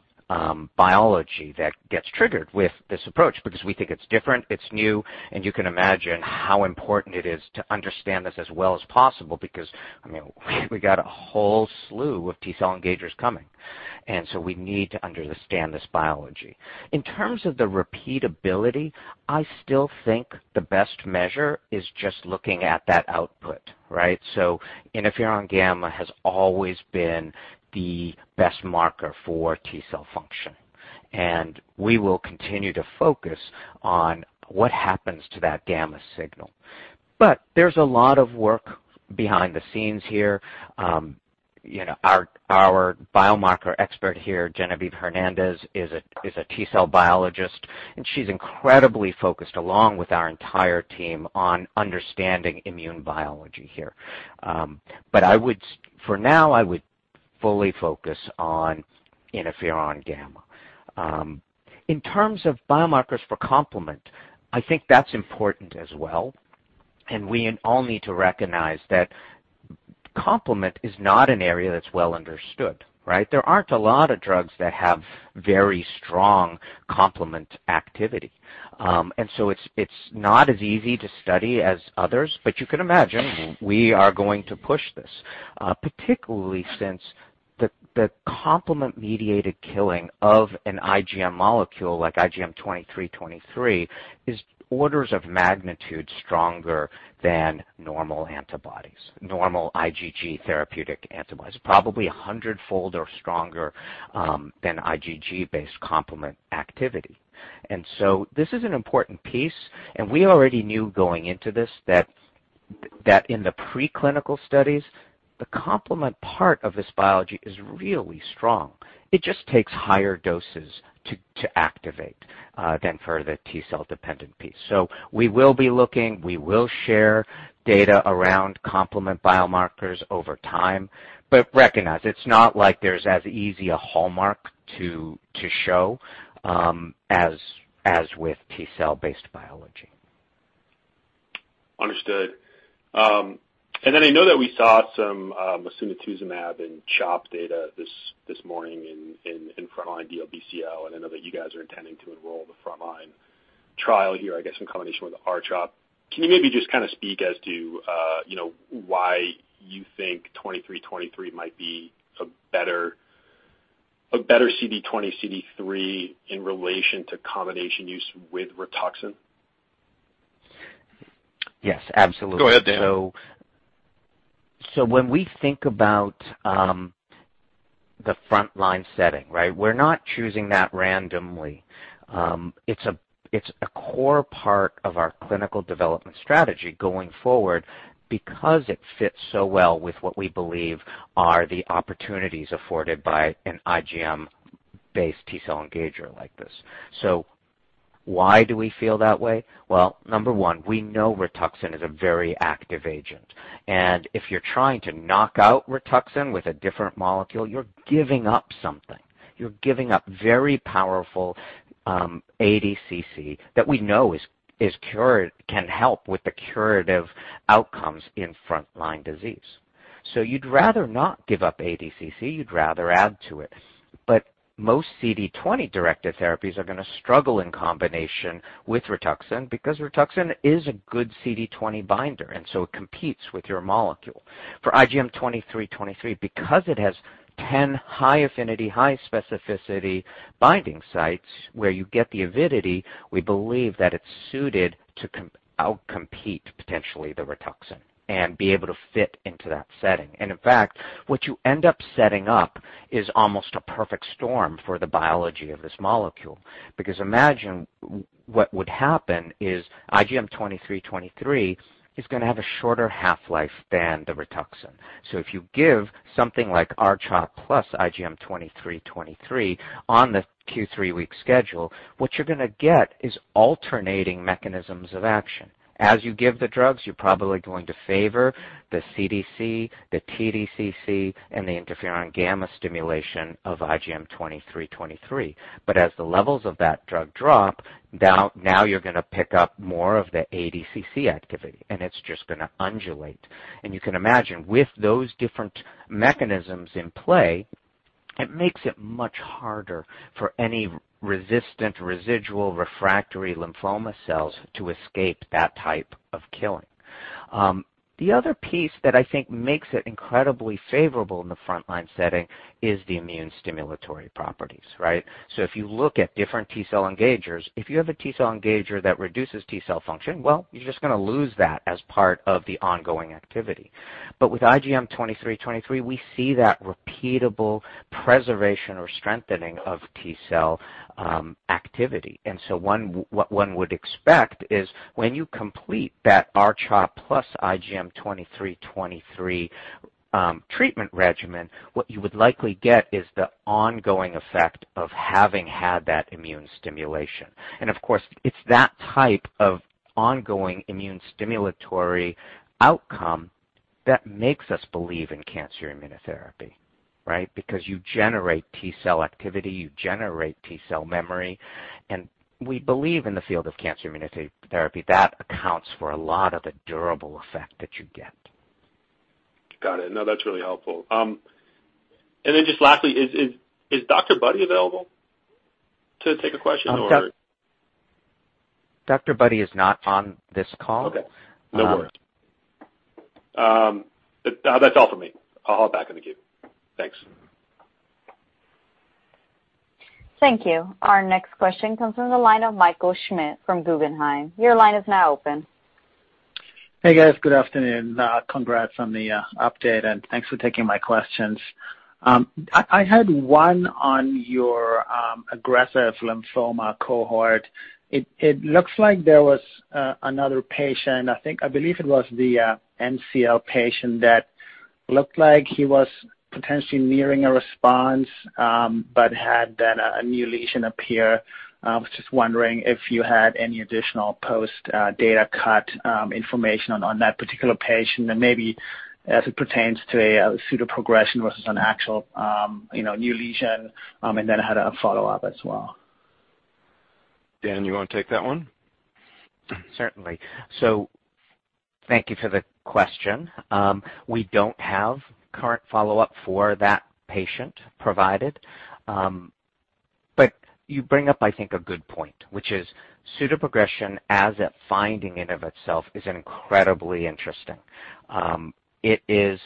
biology that gets triggered with this approach because we think it's different, it's new, and you can imagine how important it is to understand this as well as possible because we got a whole slew of T-cell engagers coming. We need to understand this biology. In terms of the repeatability, I still think the best measure is just looking at that output. Right? interferon gamma has always been the best marker for T-cell function, and we will continue to focus on what happens to that gamma signal. There's a lot of work behind the scenes here. Our biomarker expert here, Genevieve Hernandez, is a T-cell biologist, and she's incredibly focused along with our entire team on understanding immune biology here. For now, I would fully focus on interferon gamma. In terms of biomarkers for complement, I think that's important as well, and we all need to recognize that complement is not an area that's well understood. Right? There aren't a lot of drugs that have very strong complement activity. It's not as easy to study as others, but you can imagine we are going to push this, particularly since the complement-mediated killing of an IgM molecule like IGM-2323 is orders of magnitude stronger than normal antibodies, normal IgG therapeutic antibodies, probably a hundredfold or stronger than IgG-based complement activity. This is an important piece, and we already knew going into this that in the preclinical studies, the complement part of this biology is really strong. It just takes higher doses to activate than for the T-cell-dependent piece. We will be looking. We will share data around complement biomarkers over time. Recognize, it's not like there's as easy a hallmark to show as with T-cell-based biology. Understood. Then I know that we saw some mosunetuzumab in CHOP data this morning in frontline DLBCL, and I know that you guys are intending to enroll the frontline trial here, I guess, in combination with R-CHOP. Can you maybe just kind of speak as to why you think 2323 might be a better CD20, CD3 in relation to combination use with RITUXAN? Yes, absolutely. Go ahead, Dan. When we think about the frontline setting, we're not choosing that randomly. It's a core part of our clinical development strategy going forward because it fits so well with what we believe are the opportunities afforded by an IGM-based T-cell engager like this. Why do we feel that way? Well, number 1, we know RITUXAN is a very active agent, and if you're trying to knock out RITUXAN with a different molecule, you're giving up something. You're giving up very powerful ADCC that we know can help with the curative outcomes in frontline disease. You'd rather not give up ADCC. You'd rather add to it. Most CD20-directed therapies are going to struggle in combination with RITUXAN because RITUXAN is a good CD20 binder, and so it competes with your molecule. For IGM-2323, because it has 10 high affinity, high specificity binding sites where you get the avidity, we believe that it's suited to outcompete potentially the RITUXAN and be able to fit into that setting. In fact, what you end up setting up is almost a perfect storm for the biology of this molecule. Imagine what would happen is IGM-2323 is going to have a shorter half-life than the RITUXAN. If you give something like R-CHOP plus IGM-2323 on the Q3 week schedule, what you're going to get is alternating mechanisms of action. As you give the drugs, you're probably going to favor the CDC, the TDCC, and the interferon gamma stimulation of IGM-2323. As the levels of that drug drop, now you're going to pick up more of the ADCC activity, and it's just going to undulate. You can imagine with those different mechanisms in play, it makes it much harder for any resistant, residual, or refractory lymphoma cells to escape that type of killing. The other piece that I think makes it incredibly favorable in the frontline setting is the immune stimulatory properties. Right? If you look at different T-cell engagers, if you have a T-cell engager that reduces T-cell function, well, you're just going to lose that as part of the ongoing activity. With IGM-2323, we see that repeatable preservation or strengthening of T-cell activity. What one would expect is when you complete that R-CHOP plus IGM-2323 treatment regimen, what you would likely get is the ongoing effect of having had that immune stimulation. Of course, it's that type of ongoing immune stimulatory outcome that makes us believe in cancer immunotherapy. Right? Because you generate T-cell activity, you generate T-cell memory, and we believe in the field of cancer immunotherapy, that accounts for a lot of the durable effect that you get. Got it. No, that's really helpful. Just lastly, is Dr. Budde available to take a question? Dr. Budde is not on this call. Okay. No worries. That's all from me. I'll hop back in the queue. Thanks. Thank you. Our next question comes from the line of Michael Schmidt from Guggenheim. Your line is now open. Hey, guys. Good afternoon. Congrats on the update. Thanks for taking my questions. I had one on your aggressive lymphoma cohort. It looks like there was another patient, I believe it was the MCL patient that looked like he was potentially nearing a response, but had then a new lesion appear. I was just wondering if you had any additional post-data cut information on that particular patient and maybe as it pertains to a pseudoprogression versus an actual new lesion, and then had a follow-up as well. Dan, you want to take that one? Certainly. Thank you for the question. We don't have current follow-up for that patient provided. You bring up, I think, a good point, which is pseudoprogression as a finding in and of itself is incredibly interesting. It is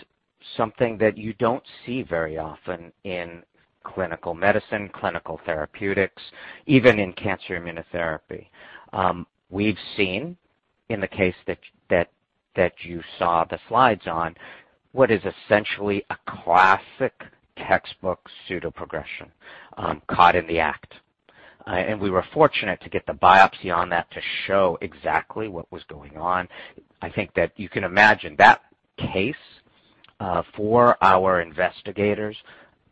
something that you don't see very often in clinical medicine, clinical therapeutics, even in cancer immunotherapy. We've seen in the case that you saw the slides on what is essentially a classic textbook pseudoprogression caught in the act. We were fortunate to get the biopsy on that to show exactly what was going on. I think that you can imagine that case for our investigators,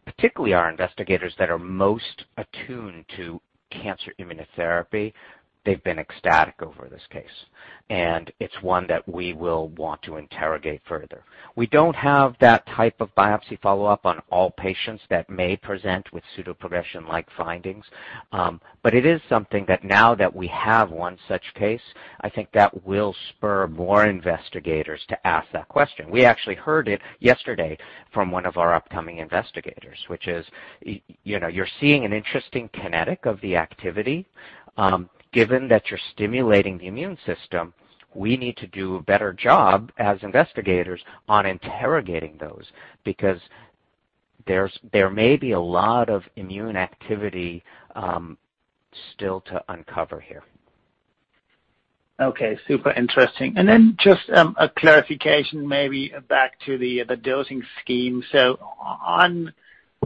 particularly our investigators that are most attuned to cancer immunotherapy, they've been ecstatic over this case, and it's one that we will want to interrogate further. We don't have that type of biopsy follow-up on all patients that may present with pseudoprogression-like findings. It is something that now that we have one such case, I think that will spur more investigators to ask that question. We actually heard it yesterday from one of our upcoming investigators, which is, you're seeing an interesting kinetic of the activity. Given that you're stimulating the immune system, we need to do a better job as investigators on interrogating those because there may be a lot of immune activity still to uncover here. Okay. Super interesting. Just a clarification, maybe back to the dosing scheme.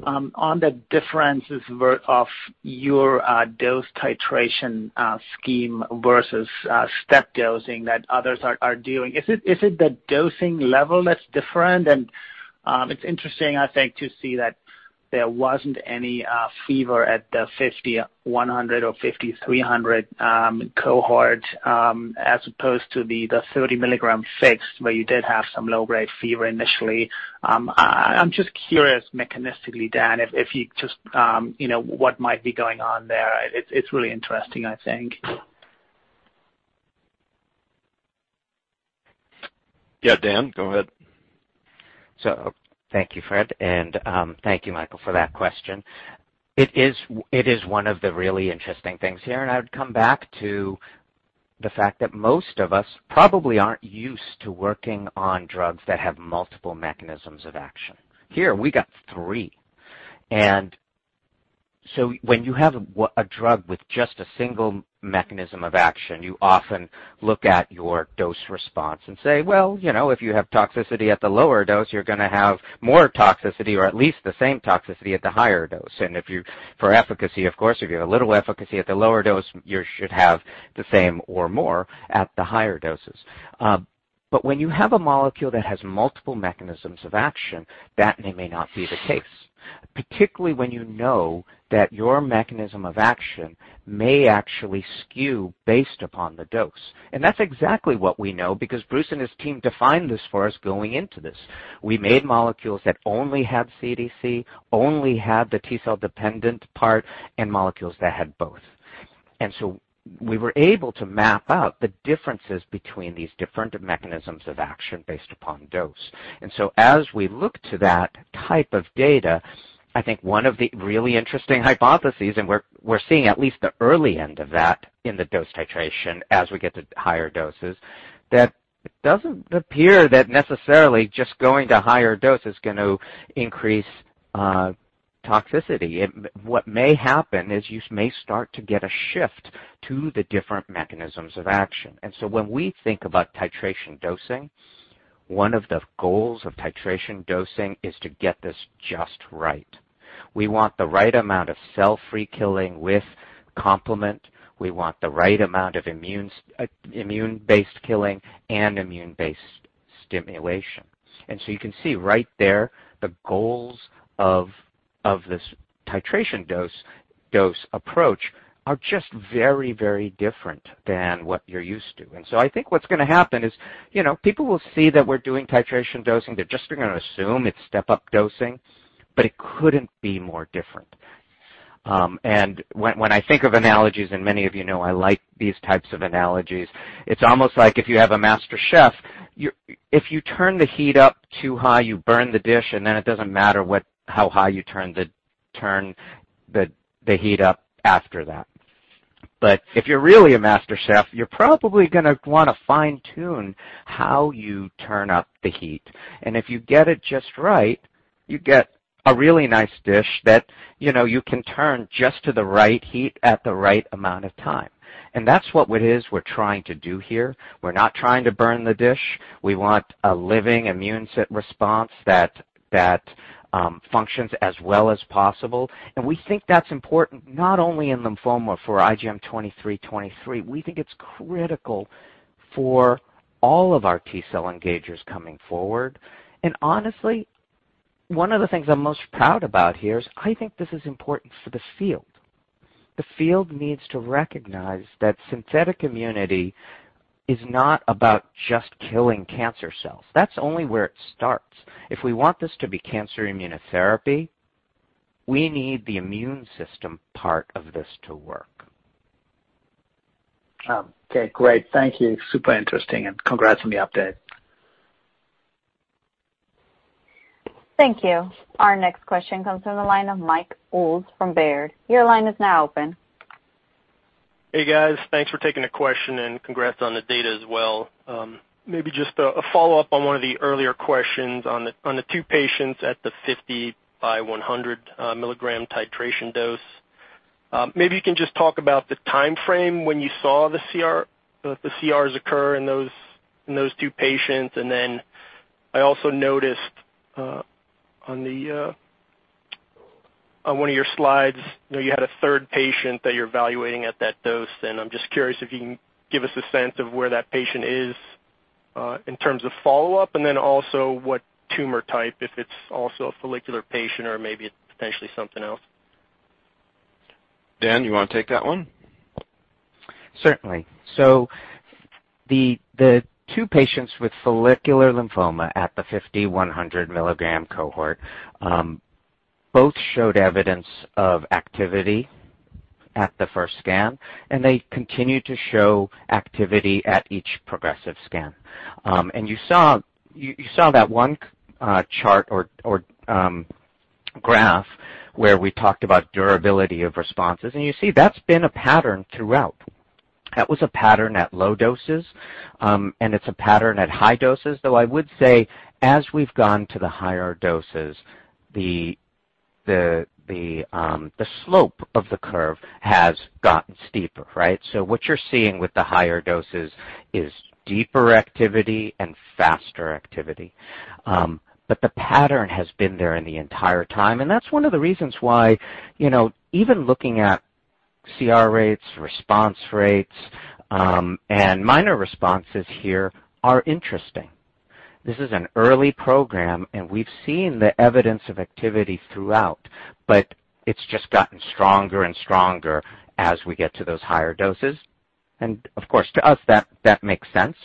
On the differences of your dose titration scheme versus step dosing that others are doing, is it the dosing level that's different? It's interesting, I think, to see that there wasn't any fever at the 5/100 mg or 5/300 mg cohort, as opposed to the 30 mg fixed where you did have some low-grade fever initially. I'm just curious mechanistically, Dan, what might be going on there. It's really interesting, I think. Yeah, Dan, go ahead. Thank you, Fred, and thank you, Michael, for that question. It is one of the really interesting things here, and I would come back to the fact that most of us probably aren't used to working on drugs that have multiple mechanisms of action. Here we got three. When you have a drug with just a single mechanism of action, you often look at your dose response and say, "Well, if you have toxicity at the lower dose, you're going to have more toxicity or at least the same toxicity at the higher dose." For efficacy, of course, if you have a little efficacy at the lower dose, you should have the same or more at the higher doses. When you have a molecule that has multiple mechanisms of action, that may or may not be the case, particularly when you know that your mechanism of action may actually skew based upon the dose. That's exactly what we know because Bruce and his team defined this for us going into this. We made molecules that only have CDC, only have the T-cell dependent part, and molecules that had both. We were able to map out the differences between these different mechanisms of action based upon dose. As we look to that type of data, I think one of the really interesting hypotheses, and we're seeing at least the early end of that in the dose titration as we get to higher doses, that it doesn't appear that necessarily just going to higher dose is going to increase toxicity. What may happen is you may start to get a shift to the different mechanisms of action. When we think about titration dosing, one of the goals of titration dosing is to get this just right. We want the right amount of cell-free killing with complement. We want the right amount of immune-based killing and immune-based stimulation. You can see right there, the goals of this titration dose approach are just very, very different than what you're used to. I think what's going to happen is people will see that we're doing titration dosing. They're just going to assume it's step-up dosing, but it couldn't be more different. When I think of analogies, and many of you know I like these types of analogies, it's almost like if you have a master chef, if you turn the heat up too high, you burn the dish, and then it doesn't matter how high you turn the heat up after that. If you're really a master chef, you're probably going to want to fine-tune how you turn up the heat. If you get it just right, you get a really nice dish that you can turn just to the right heat at the right amount of time. That's what it is we're trying to do here. We're not trying to burn the dish. We want a living immune response that functions as well as possible. We think that's important not only in lymphoma for IGM-2323, we think it's critical for all of our T-cell engagers coming forward. Honestly, one of the things I'm most proud about here is I think this is important for the field. The field needs to recognize that synthetic immunity is not about just killing cancer cells. That's only where it starts. If we want this to be cancer immunotherapy, we need the immune system part of this to work. Okay, great. Thank you. Super interesting and congrats on the update. Thank you. Our next question comes from the line of Mike Ulz from Baird. Your line is now open. Hey, guys. Thanks for taking the question and congrats on the data as well. Maybe just a follow-up on one of the earlier questions on the two patients at the 50/100 mg titration dose. Maybe you can just talk about the timeframe when you saw the CRs occur in those two patients. I also noticed on one of your slides, you had a third patient that you're evaluating at that dose, and I'm just curious if you can give us a sense of where that patient is, in terms of follow-up, and then also what tumor type, if it's also a follicular patient or maybe potentially something else. Dan, you want to take that one? Certainly. The two patients with follicular lymphoma at the 5/100 mg cohort, both showed evidence of activity at the first scan, and they continue to show activity at each progressive scan. You saw that one chart or graph where we talked about durability of responses, and you see that's been a pattern throughout. That was a pattern at low doses, and it's a pattern at high doses, though I would say as we've gone to the higher doses, the slope of the curve has gotten steeper, right? What you're seeing with the higher doses is deeper activity and faster activity. The pattern has been there in the entire time, and that's one of the reasons why even looking at CR rates, response rates, and minor responses here are interesting. This is an early program, and we've seen the evidence of activity throughout, but it's just gotten stronger and stronger as we get to those higher doses. Of course, to us, that makes sense.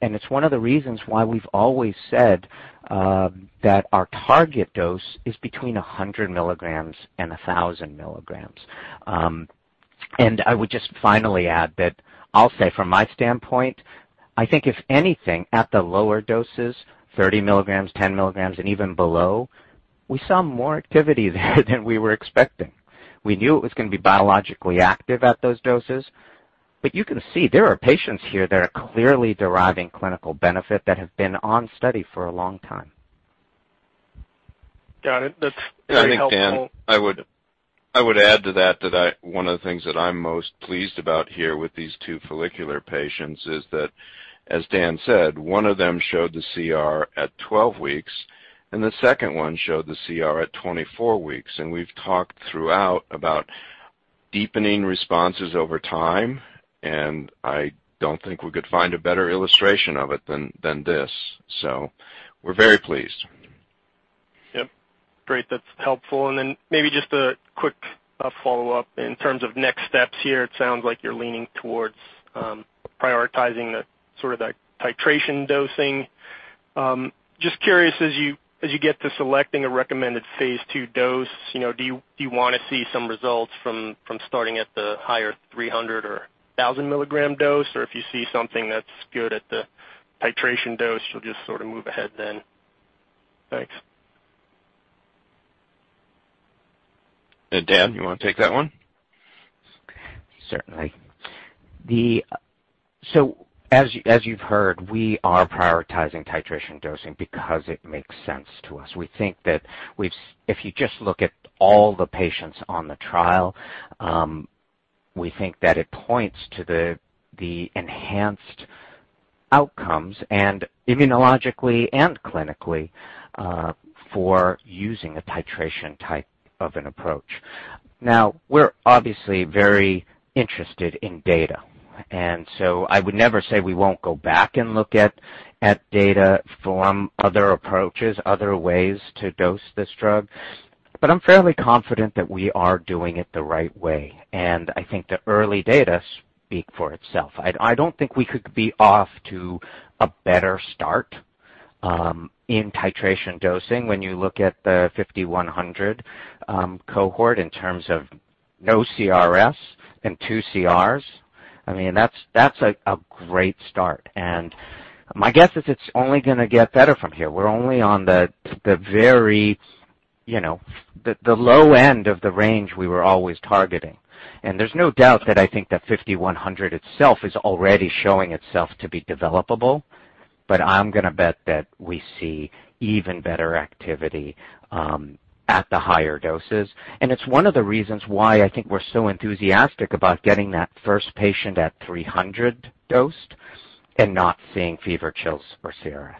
It's one of the reasons why we've always said that our target dose is between 100 mg and 1,000 mg. I would just finally add that I'll say from my standpoint, I think if anything at the lower doses, 30 mg, 10 mg, and even below, we saw more activity there than we were expecting. We knew it was going to be biologically active at those doses, but you can see there are patients here that are clearly deriving clinical benefit that have been on study for a long time. Got it. That's very helpful. Dan, I would add to that one of the things that I'm most pleased about here with these two follicular patients is that, as Dan said, one of them showed the CR at 12 weeks, and the second one showed the CR at 24 weeks. We've talked throughout about deepening responses over time, and I don't think we could find a better illustration of it than this. We're very pleased. Yep. Great. That's helpful. Then maybe just a quick follow-up in terms of next steps here. It sounds like you're leaning towards prioritizing the titration dosing. Just curious, as you get to selecting a recommended phase II dose, do you want to see some results from starting at the higher 300 or 1,000 mg dose? If you see something that's good at the titration dose, you'll just sort of move ahead then? Thanks. Dan, you want to take that one? Certainly. As you've heard, we are prioritizing titration dosing because it makes sense to us. If you just look at all the patients on the trial, we think that it points to the enhanced outcomes and immunologically and clinically, for using a titration type of an approach. Now, we're obviously very interested in data, I would never say we won't go back and look at data from other approaches, other ways to dose this drug. I'm fairly confident that we are doing it the right way, and I think the early data speak for itself. I don't think we could be off to a better start in titration dosing when you look at the 5/100 mg cohort in terms of no CRS and two CRs. That's a great start. My guess is it's only going to get better from here. We're only on the low end of the range we were always targeting. There's no doubt that I think that 5,100 itself is already showing itself to be developable, but I'm going to bet that we see even better activity at the higher doses. It's one of the reasons why I think we're so enthusiastic about getting that first patient at 300 mg dosed and not seeing fever chills or CRS.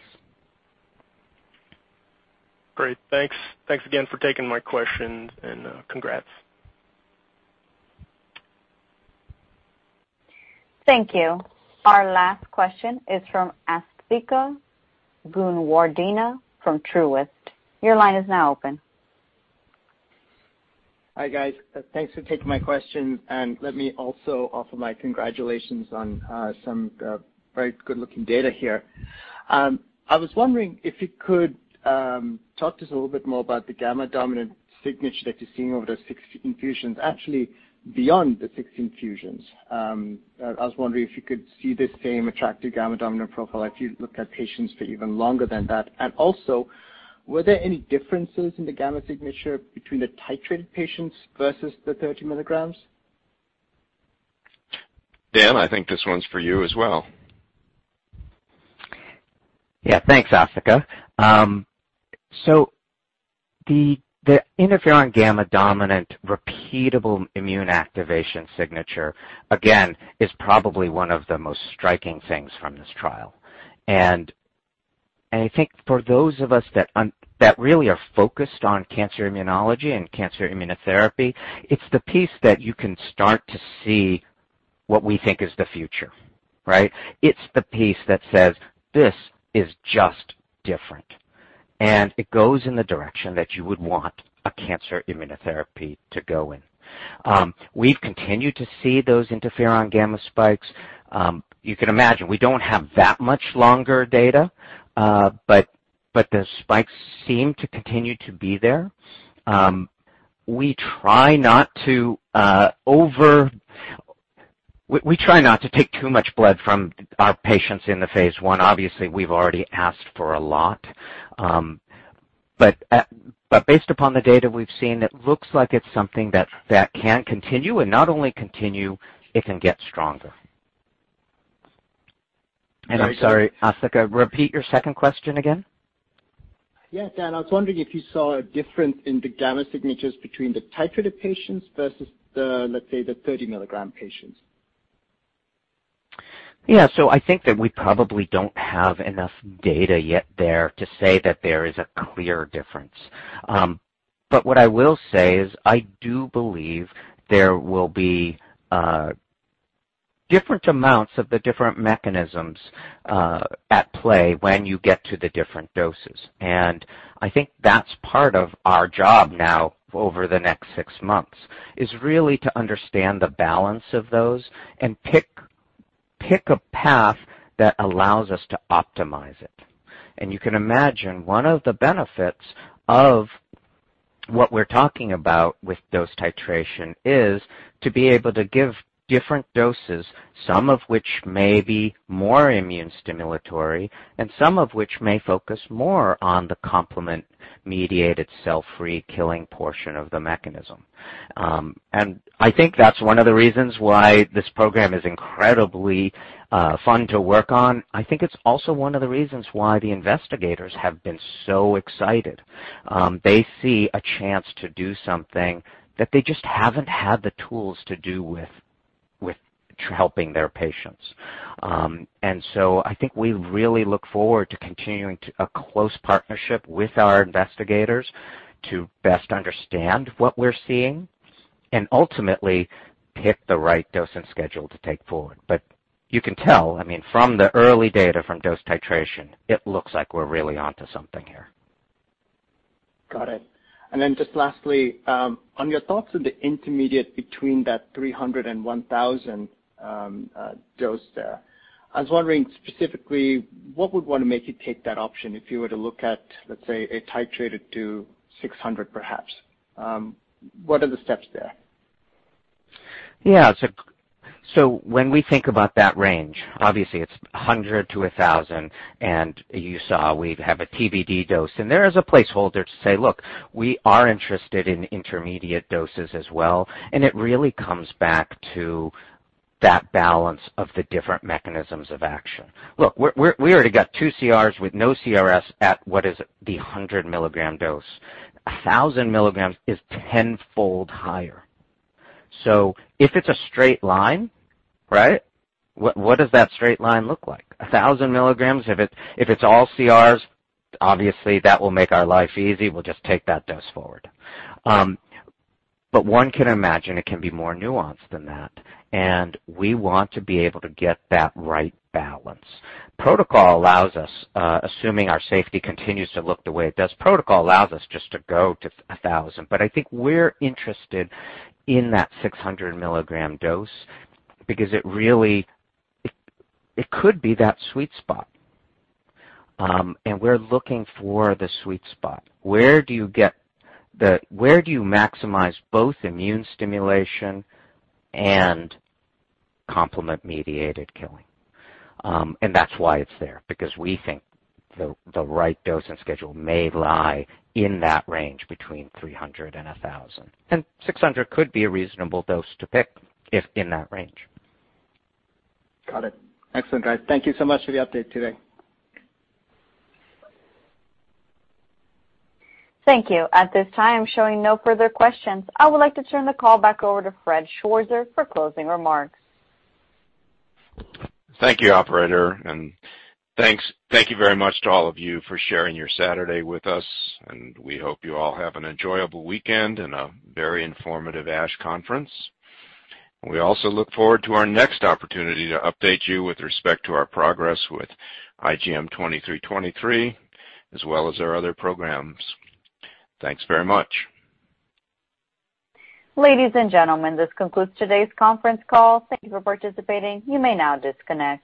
Great. Thanks. Thanks again for taking my questions and congrats. Thank you. Our last question is from Asthika Goonewardene from Truist. Your line is now open. Hi, guys. Thanks for taking my question, Let me also offer my congratulations on some very good-looking data here. I was wondering if you could talk to us a little bit more about the gamma-dominant signature that you're seeing over those six infusions, actually, beyond the six infusions. I was wondering if you could see this same attractive gamma dominant profile if you look at patients for even longer than that. Also, were there any differences in the gamma signature between the titrated patients versus the 30 mg? Dan, I think this one's for you as well. Yeah. Thanks, Asthika. The interferon gamma dominant repeatable immune activation signature, again, is probably one of the most striking things from this trial. I think for those of us that really are focused on cancer immunology and cancer immunotherapy, it's the piece that you can start to see what we think is the future. Right? It's the piece that says, "This is just different." It goes in the direction that you would want a cancer immunotherapy to go in. We've continued to see those interferon gamma spikes. You can imagine we don't have that much longer data, but the spikes seem to continue to be there. We try not to take too much blood from our patients in the phase I. Obviously, we've already asked for a lot. Based upon the data we've seen, it looks like it's something that can continue, and not only continue, it can get stronger. I'm sorry, Asthika, repeat your second question again. Yeah, Dan, I was wondering if you saw a difference in the gamma signatures between the titrated patients versus the, let's say, the 30 mg patients? Yeah. I think that we probably don't have enough data yet there to say that there is a clear difference. But what I will say is I do believe there will be different amounts of the different mechanisms at play when you get to the different doses. And I think that's part of our job now over the next six months, is really to understand the balance of those and pick a path that allows us to optimize it. And you can imagine one of the benefits of what we're talking about with dose titration is to be able to give different doses, some of which may be more immune stimulatory and some of which may focus more on the complement-mediated cell-free killing portion of the mechanism. And I think that's one of the reasons why this program is incredibly fun to work on. I think it's also one of the reasons why the investigators have been so excited. They see a chance to do something that they just haven't had the tools to do with helping their patients. I think we really look forward to continuing a close partnership with our investigators to best understand what we're seeing and ultimately pick the right dose and schedule to take forward. You can tell, from the early data from dose titration, it looks like we're really onto something here. Got it. Just lastly, on your thoughts on the intermediate between that 300 and 1,000 dose there, I was wondering specifically what would want to make you take that option if you were to look at, let's say, a titrated to 600, perhaps. What are the steps there? Yeah. When we think about that range, obviously it's 100 mg-1,000 mg, and you saw we have a TBD dose, and there is a placeholder to say, "Look, we are interested in intermediate doses as well." It really comes back to that balance of the different mechanisms of action. Look, we already got two CRs with no CRS at what is the 100 mg dose. 1,000 mg is 10-fold higher. If it's a straight line, what does that straight line look like? 1,000 mg, if it's all CRs, obviously that will make our life easy. We'll just take that dose forward. One can imagine it can be more nuanced than that, and we want to be able to get that right balance. Protocol allows us, assuming our safety continues to look the way it does, protocol allows us just to go to 1,000 mg. I think we're interested in that 600 mg dose because it could be that sweet spot. We're looking for the sweet spot. Where do you maximize both immune stimulation and complement-mediated killing? That's why it's there, because we think the right dosing schedule may lie in that range between 300 mg and 1,000 mg. 600 mg could be a reasonable dose to pick if in that range. Got it. Excellent, guys. Thank you so much for the update today. Thank you. At this time, showing no further questions. I would like to turn the call back over to Fred Schwarzer for closing remarks. Thank you, Operator. Thank you very much to all of you for sharing your Saturday with us, and we hope you all have an enjoyable weekend and a very informative ASH conference. We also look forward to our next opportunity to update you with respect to our progress with IGM-2323 as well as our other programs. Thanks very much. Ladies and gentlemen, this concludes today's conference call. Thank you for participating. You may now disconnect.